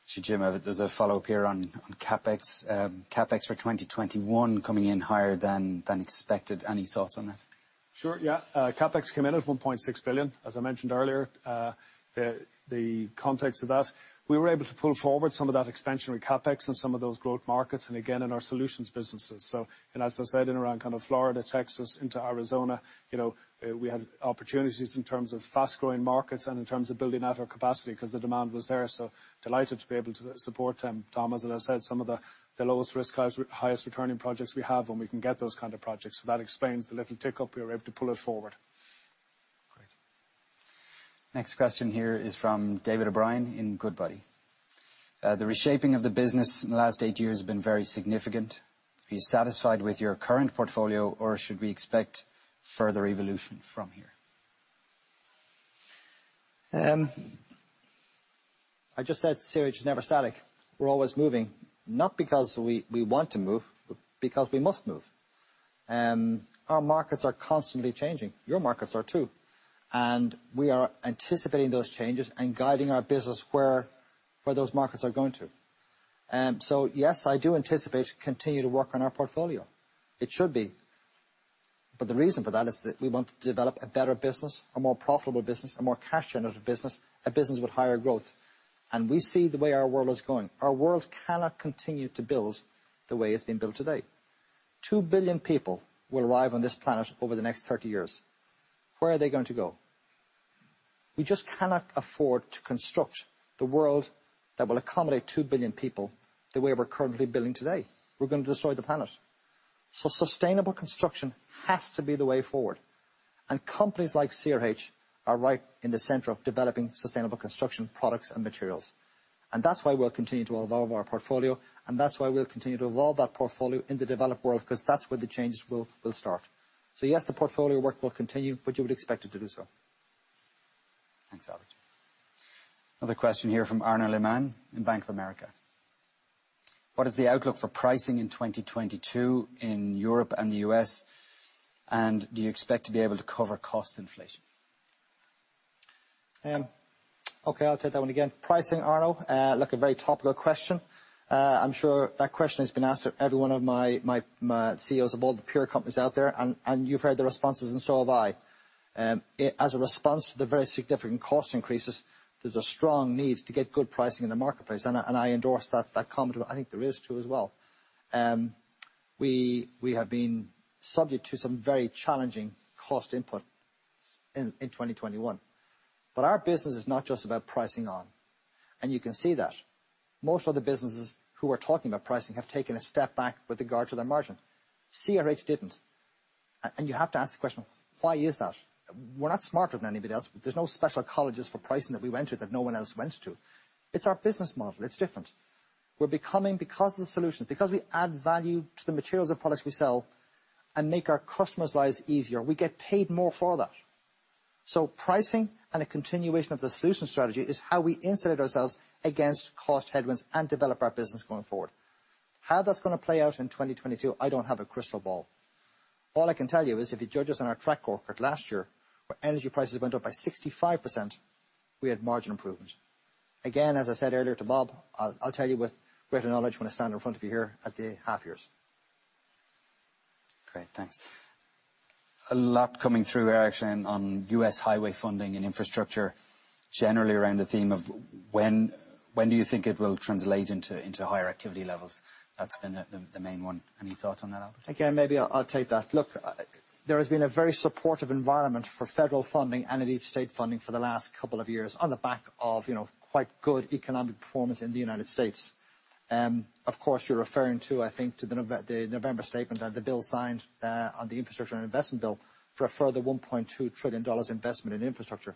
Jim, there's a follow-up here on CapEx. CapEx for 2021 coming in higher than expected. Any thoughts on that? Sure, yeah. CapEx came in at 1.6 billion, as I mentioned earlier. The context of that, we were able to pull forward some of that expansionary CapEx in some of those growth markets and again in our solutions businesses. As I said, in around kind of Florida, Texas into Arizona, you know, we had opportunities in terms of fast-growing markets and in terms of building out our capacity 'cause the demand was there. Delighted to be able to support them. Tom, as I said, some of the lowest risk, highest returning projects we have when we can get those kind of projects. That explains the little tick up. We were able to pull it forward. Great. Next question here is from David O'Brien in Goodbody. The reshaping of the business in the last eight years has been very significant. Are you satisfied with your current portfolio or should we expect further evolution from here? I just said CRH is never static. We're always moving, not because we want to move, but because we must move. Our markets are constantly changing. Your markets are too. We are anticipating those changes and guiding our business where those markets are going to. So yes, I do anticipate to continue to work on our portfolio. It should be. The reason for that is that we want to develop a better business, a more profitable business, a more cash generative business, a business with higher growth. We see the way our world is going. Our world cannot continue to build the way it's being built today. 2 billion people will arrive on this planet over the next 30 years. Where are they going to go? We just cannot afford to construct the world that will accommodate 2 billion people the way we're currently building today. We're going to destroy the planet. Sustainable construction has to be the way forward. Companies like CRH are right in the center of developing sustainable construction products and materials. That's why we'll continue to evolve our portfolio, and that's why we'll continue to evolve that portfolio in the developed world, 'cause that's where the changes will start. Yes, the portfolio work will continue, but you would expect it to do so. Thanks, Albert. Another question here from Arnaud Lehmann in Bank of America. What is the outlook for pricing in 2022 in Europe and the U.S., and do you expect to be able to cover cost inflation? Okay, I'll take that one again. Pricing, Arno, look, a very topical question. I'm sure that question has been asked of every one of my CEOs of all the peer companies out there, and you've heard the responses, and so have I. As a response to the very significant cost increases, there's a strong need to get good pricing in the marketplace. I endorse that comment. I think there is too as well. We have been subject to some very challenging cost inputs in 2021. Our business is not just about pricing alone, and you can see that. Most of the businesses who are talking about pricing have taken a step back with regard to their margin. CRH didn't. You have to ask the question, why is that? We're not smarter than anybody else. There's no special colleges for pricing that we went to that no one else went to. It's our business model. It's different. We're becoming because of the solutions, because we add value to the materials and products we sell and make our customers' lives easier, we get paid more for that. Pricing and a continuation of the solution strategy is how we insulate ourselves against cost headwinds and develop our business going forward. How that's going to play out in 2022, I don't have a crystal ball. All I can tell you is if you judge us on our track record last year, where energy prices went up by 65%, we had margin improvement. Again, as I said earlier to Robert Gardiner, I'll tell you with greater knowledge when I stand in front of you here at the half years. Great. Thanks. A lot coming through, actually, on U.S. highway funding and infrastructure, generally around the theme of when do you think it will translate into higher activity levels? That's been the main one. Any thoughts on that, Albert? Maybe I'll take that. Look, there has been a very supportive environment for federal funding and indeed state funding for the last couple of years on the back of, you know, quite good economic performance in the United States. Of course, you're referring to, I think, to the November statement and the bill signed on the Infrastructure Investment and Jobs Act for a further $1.2 trillion investment in infrastructure.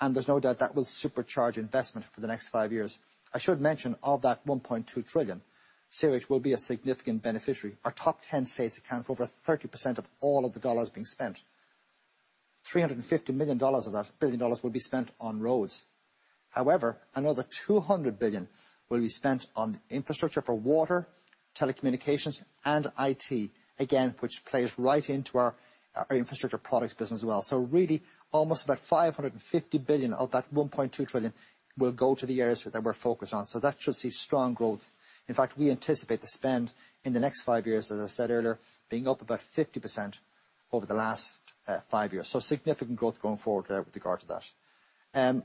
There's no doubt that will supercharge investment for the next five years. I should mention, of that $1.2 trillion, CRH will be a significant beneficiary. Our top 10 states account for over 30% of all of the dollars being spent. $350 billion of that $1.2 trillion will be spent on roads. However, another 200 billion will be spent on infrastructure for water, telecommunications, and IT, again, which plays right into our Infrastructure Products business well. Really almost about 550 billion of that 1.2 trillion will go to the areas that we're focused on. That should see strong growth. In fact, we anticipate the spend in the next five years, as I said earlier, being up about 50% over the last five years. Significant growth going forward there with regard to that.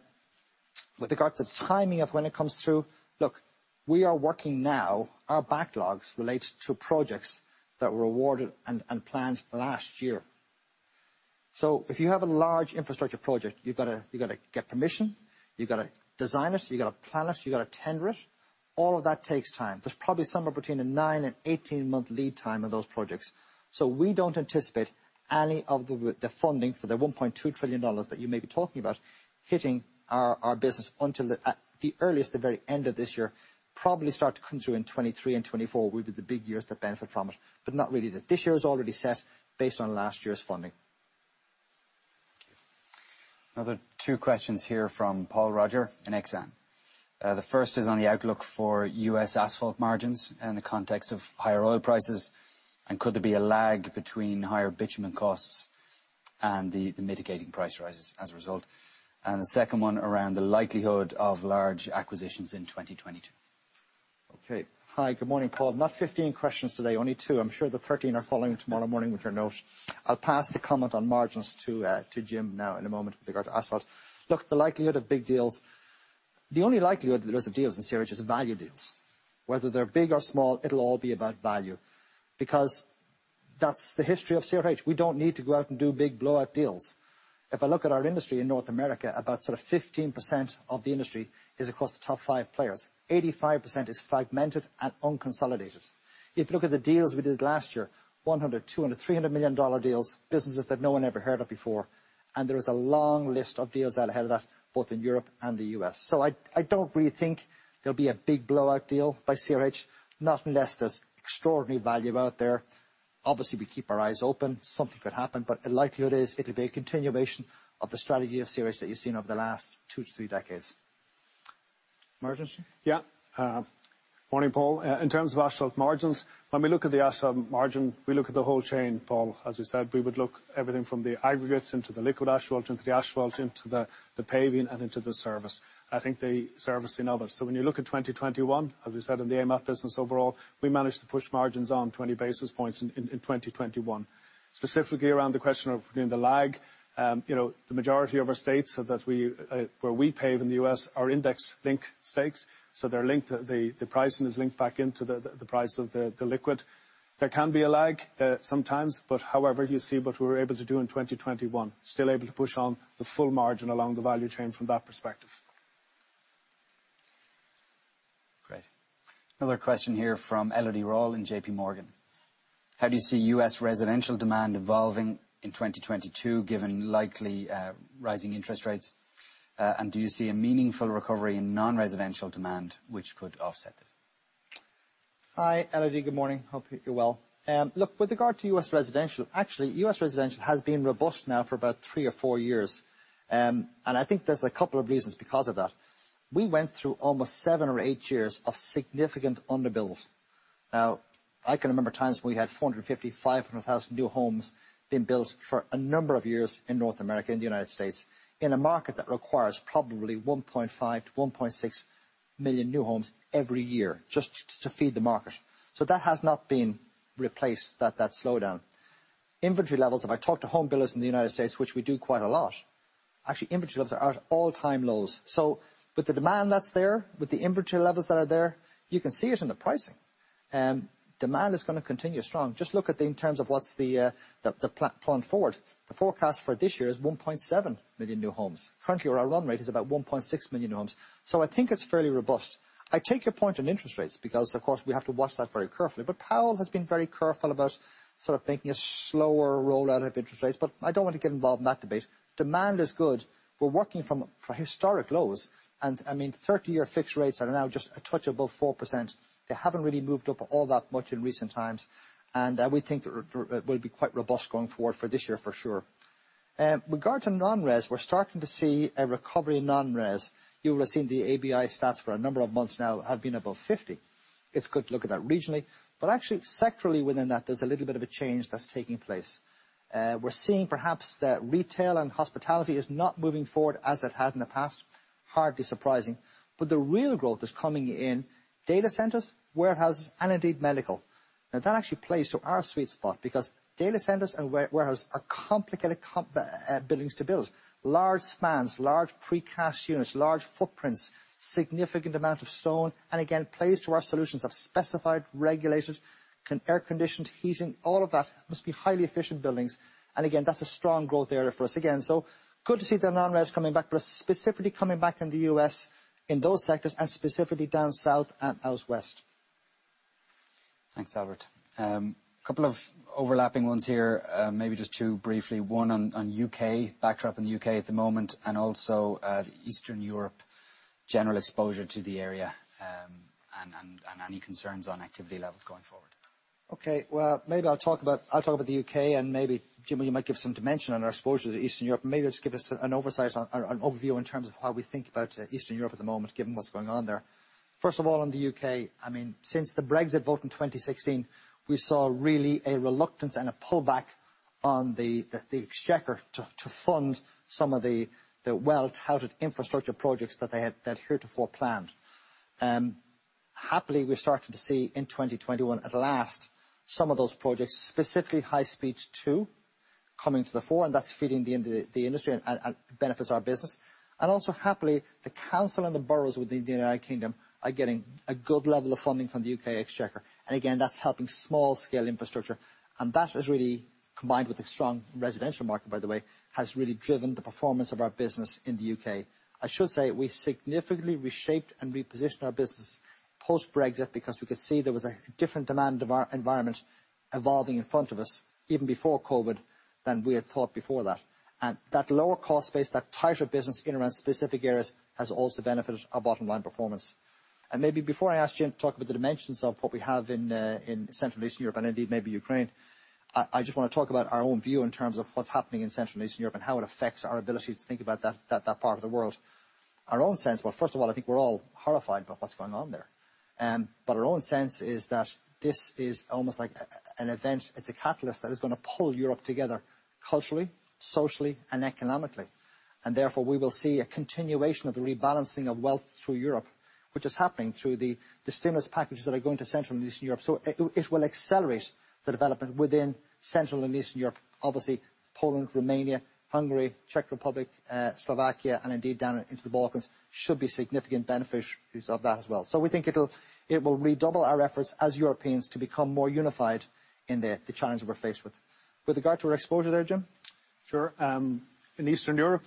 With regard to the timing of when it comes through, look, we are working now. Our backlogs relates to projects that were awarded and planned last year. If you have a large infrastructure project, you've got to get permission, you've got to design it, you've got to plan it, you've got to tender it. All of that takes time. There's probably somewhere between a 9- and 18-month lead time on those projects. We don't anticipate any of the funding for the $1.2 trillion that you may be talking about hitting our business until the very end of this year. Probably start to come through in 2023 and 2024 will be the big years that benefit from it, but not really. This year is already set based on last year's funding. Another two questions here from Paul Roger in Exane. The first is on the outlook for U.S. asphalt margins in the context of higher oil prices. Could there be a lag between higher bitumen costs and the mitigating price rises as a result? The second one around the likelihood of large acquisitions in 2022. Okay. Hi, good morning, Paul. Not 15 questions today, only two. I'm sure the 13 are following tomorrow morning with your note. I'll pass the comment on margins to Jim now in a moment with regard to asphalt. Look, the likelihood of big deals, the only likelihood that there is of deals in CRH is value deals. Whether they're big or small, it'll all be about value because that's the history of CRH. We don't need to go out and do big blowout deals. If I look at our industry in North America, about sort of 15% of the industry is across the top five players. 85% is fragmented and unconsolidated. If you look at the deals we did last year, $100 million, $200 million, $300 million deals, businesses that no one ever heard of before, and there is a long list of deals out ahead of that, both in Europe and the U.S. I don't really think there'll be a big blowout deal by CRH, not unless there's extraordinary value out there. Obviously, we keep our eyes open. Something could happen, but the likelihood is it'll be a continuation of the strategy of CRH that you've seen over the last two to three decades. Margins? Morning, Paul. In terms of asphalt margins, when we look at the asphalt margin, we look at the whole chain, Paul. As we said, we would look everything from the aggregates into the liquid asphalt, into the asphalt, into the paving, and into the service. I think the service in others. When you look at 2021, as we said in the AMAP business overall, we managed to push margins on 20 basis points in 2021. Specifically around the question of, you know, the lag, you know, the majority of our states that we where we pave in the U.S. are index-linked states, so they're linked, the pricing is linked back into the price of the liquid. There can be a lag sometimes, but however, you see what we were able to do in 2021. Still able to push on the full margin along the value chain from that perspective. Another question here from Elodie Rall in JP Morgan. How do you see U.S. residential demand evolving in 2022, given likely rising interest rates? Do you see a meaningful recovery in non-residential demand which could offset this? Hi, Elodie. Good morning. Hope you're well. Look, with regard to U.S. residential, actually, U.S. residential has been robust now for about three or four years. I think there's a couple of reasons because of that. We went through almost seven or eight years of significant underbuild. Now, I can remember times when we had 450-500,000 new homes being built for a number of years in North America, in the United States, in a market that requires probably 1.5-1.6 million new homes every year just to feed the market. That has not been replaced, that slowdown. Inventory levels, if I talk to home builders in the United States, which we do quite a lot, actually inventory levels are at all-time lows. With the demand that's there, with the inventory levels that are there, you can see it in the pricing. Demand is going to continue strong. Just look at the terms of the plan forward. The forecast for this year is 1.7 million new homes. Currently, our run rate is about 1.6 million homes. I think it's fairly robust. I take your point on interest rates because of course we have to watch that very carefully. Powell has been very careful about sort of making a slower rollout of interest rates, but I don't want to get involved in that debate. Demand is good. We're working from historic lows. I mean, 30-year fixed rates are now just a touch above 4%. They haven't really moved up all that much in recent times, and we think it will be quite robust going forward for this year for sure. With regard to non-res, we're starting to see a recovery in non-res. You will have seen the ABI stats for a number of months now have been above 50. It's good to look at that regionally, but actually sectorally within that, there's a little bit of a change that's taking place. We're seeing perhaps that retail and hospitality is not moving forward as it has in the past. Hardly surprising. The real growth is coming in data centers, warehouses, and indeed medical. Now, that actually plays to our sweet spot because data centers and warehouses are complicated buildings to build. Large spans, large precast units, large footprints, significant amount of stone, and again, plays to our solutions of specified, regulated, air-conditioned heating, all of that. Must be highly efficient buildings. Again, that's a strong growth area for us again. Good to see the non-res coming back, but specifically coming back in the U.S. in those sectors and specifically down south and out west. Thanks, Albert. A couple of overlapping ones here, maybe just two briefly. One on U.K. backdrop in the U.K. at the moment, and also Eastern Europe, general exposure to the area, and any concerns on activity levels going forward. Okay. Well, maybe I'll talk about the U.K., and maybe Jim, you might give some dimension on our exposure to Eastern Europe, and maybe just give us an oversight or an overview in terms of how we think about Eastern Europe at the moment, given what's going on there. First of all, in the U.K., I mean, since the Brexit vote in 2016, we saw really a reluctance and a pullback on the Exchequer to fund some of the well-touted infrastructure projects that they had heretofore planned. Happily, we're starting to see in 2021 at last some of those projects, specifically High Speed 2, coming to the fore, and that's feeding the industry and benefits our business. Also happily, the council and the boroughs within the United Kingdom are getting a good level of funding from the U.K. Exchequer. Again, that's helping small-scale infrastructure. That has really, combined with a strong residential market, by the way, has really driven the performance of our business in the U.K. I should say we significantly reshaped and repositioned our business post-Brexit because we could see there was a different demand of our environment evolving in front of us even before COVID than we had thought before that. That lower cost base, that tighter business in and around specific areas has also benefited our bottom line performance. Maybe before I ask Jim to talk about the dimensions of what we have in Central and Eastern Europe, and indeed maybe Ukraine, I just want to talk about our own view in terms of what's happening in Central and Eastern Europe and how it affects our ability to think about that part of the world. Our own sense. Well, first of all, I think we're all horrified by what's going on there. But our own sense is that this is almost like an event. It's a catalyst that is going to pull Europe together culturally, socially, and economically. Therefore, we will see a continuation of the rebalancing of wealth through Europe, which is happening through the stimulus packages that are going to Central and Eastern Europe. It will accelerate the development within Central and Eastern Europe. Obviously, Poland, Romania, Hungary, Czech Republic, Slovakia, and indeed down into the Balkans should be significant beneficiaries of that as well. We think it will redouble our efforts as Europeans to become more unified in the challenge we're faced with. With regard to our exposure there, Jim? Sure. In Eastern Europe,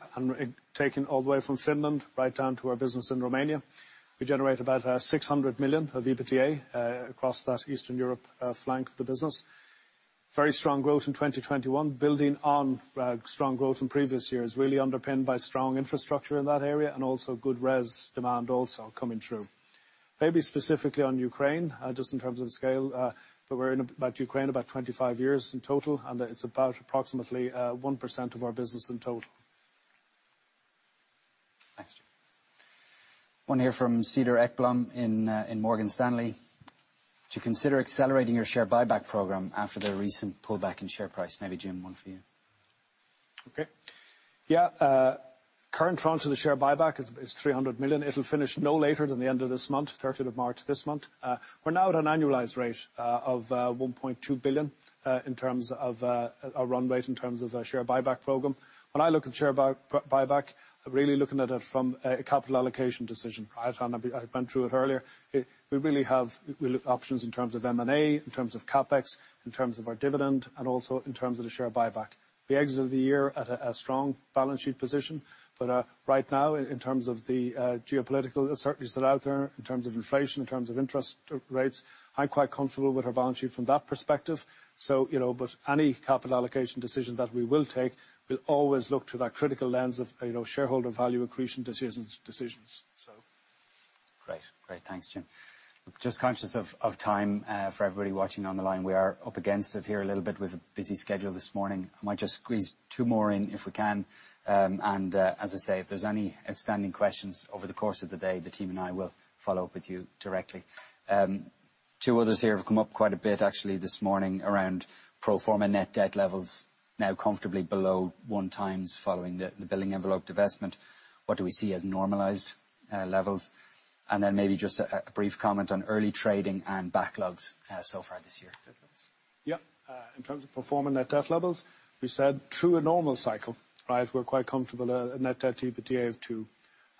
taking all the way from Finland right down to our business in Romania, we generate about 600 million of EBITDA across that Eastern Europe flank of the business. Very strong growth in 2021, building on strong growth in previous years, underpinned by strong infrastructure in that area and also good residential demand coming through. Maybe specifically on Ukraine, just in terms of scale, we're in Ukraine about 25 years in total, and it's approximately 1% of our business in total. Thanks, Jim. One here from Cedar Ekblom in Morgan Stanley. Do you consider accelerating your share buyback program after the recent pullback in share price? Maybe Jim, one for you. Okay. Yeah. Current tranche of the share buyback is 300 million. It'll finish no later than the end of this month, 13th of March this month. We're now at an annualized rate of 1.2 billion in terms of our run rate in terms of a share buyback program. When I look at share buyback, really looking at it from a capital allocation decision. Right. I've been through it earlier. We really have options in terms of M&A, in terms of CapEx, in terms of our dividend, and also in terms of the share buyback. We exit the year at a strong balance sheet position. Right now in terms of the geopolitical uncertainties that are out there, in terms of inflation, in terms of interest rates, I'm quite comfortable with our balance sheet from that perspective. You know, but any capital allocation decision that we will take, we'll always look through that critical lens of, you know, shareholder value accretion decisions. Great. Thanks, Jim. Just conscious of time for everybody watching on the line. We are up against it here a little bit with a busy schedule this morning. I might just squeeze two more in if we can. As I say, if there's any outstanding questions over the course of the day, the team and I will follow up with you directly. Two others here have come up quite a bit actually this morning around pro forma net debt levels now comfortably below one times following the Building Envelope divestment. What do we see as normalized levels? Then maybe just a brief comment on early trading and backlogs so far this year. Yeah, in terms of pro forma net debt levels, we said through a normal cycle, right, we're quite comfortable a net debt EBITDA of two.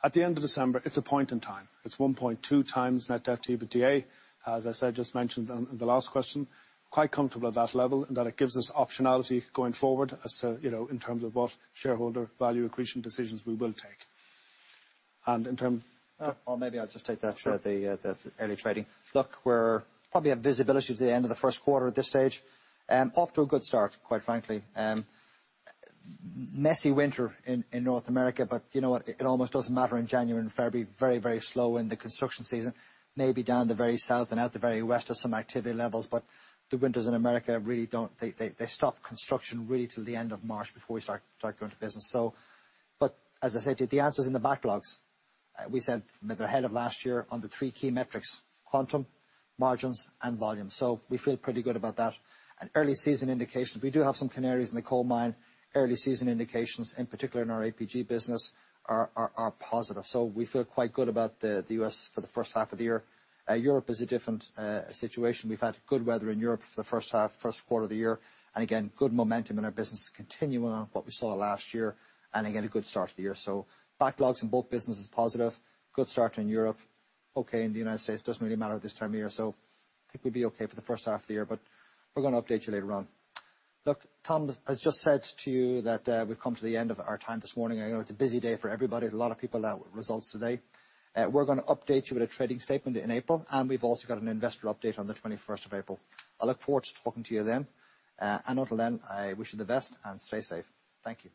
At the end of December, it's a point in time. It's 1.2 times net debt EBITDA. As I said, just mentioned on the last question, quite comfortable at that level, in that it gives us optionality going forward as to, you know, in terms of what shareholder value accretion decisions we will take. Maybe I'll just take that. Sure. In the early trading. Look, we're probably have visibility to the end of the first quarter at this stage. Off to a good start, quite frankly. Messy winter in North America, but you know what? It almost doesn't matter in January and February. Very slow in the construction season. Maybe down in the very south and out in the very west, there's some activity levels, but the winters in America really don't. They stop construction really till the end of March before we start going to business. But as I said to you, the answer's in the backlogs. We said that they're ahead of last year on the three key metrics, quantum, margins, and volume. We feel pretty good about that. Early season indications, we do have some canaries in the coal mine. Early season indications, in particular in our APG business, are positive. We feel quite good about the U.S. for the first half of the year. Europe is a different situation. We've had good weather in Europe for the first half, first quarter of the year. Good momentum in our business continuing on what we saw last year, and a good start to the year. Backlogs in both businesses is positive. Good start in Europe. In the United States, it doesn't really matter this time of year. I think we'll be okay for the first half of the year, but we're going to update you later on. Look, Tom has just said to you that we've come to the end of our time this morning. I know it's a busy day for everybody. There's a lot of people out with results today. We're going to update you with a trading statement in April, and we've also got an investor update on the twenty-first of April. I look forward to talking to you then. Until then, I wish you the best and stay safe. Thank you.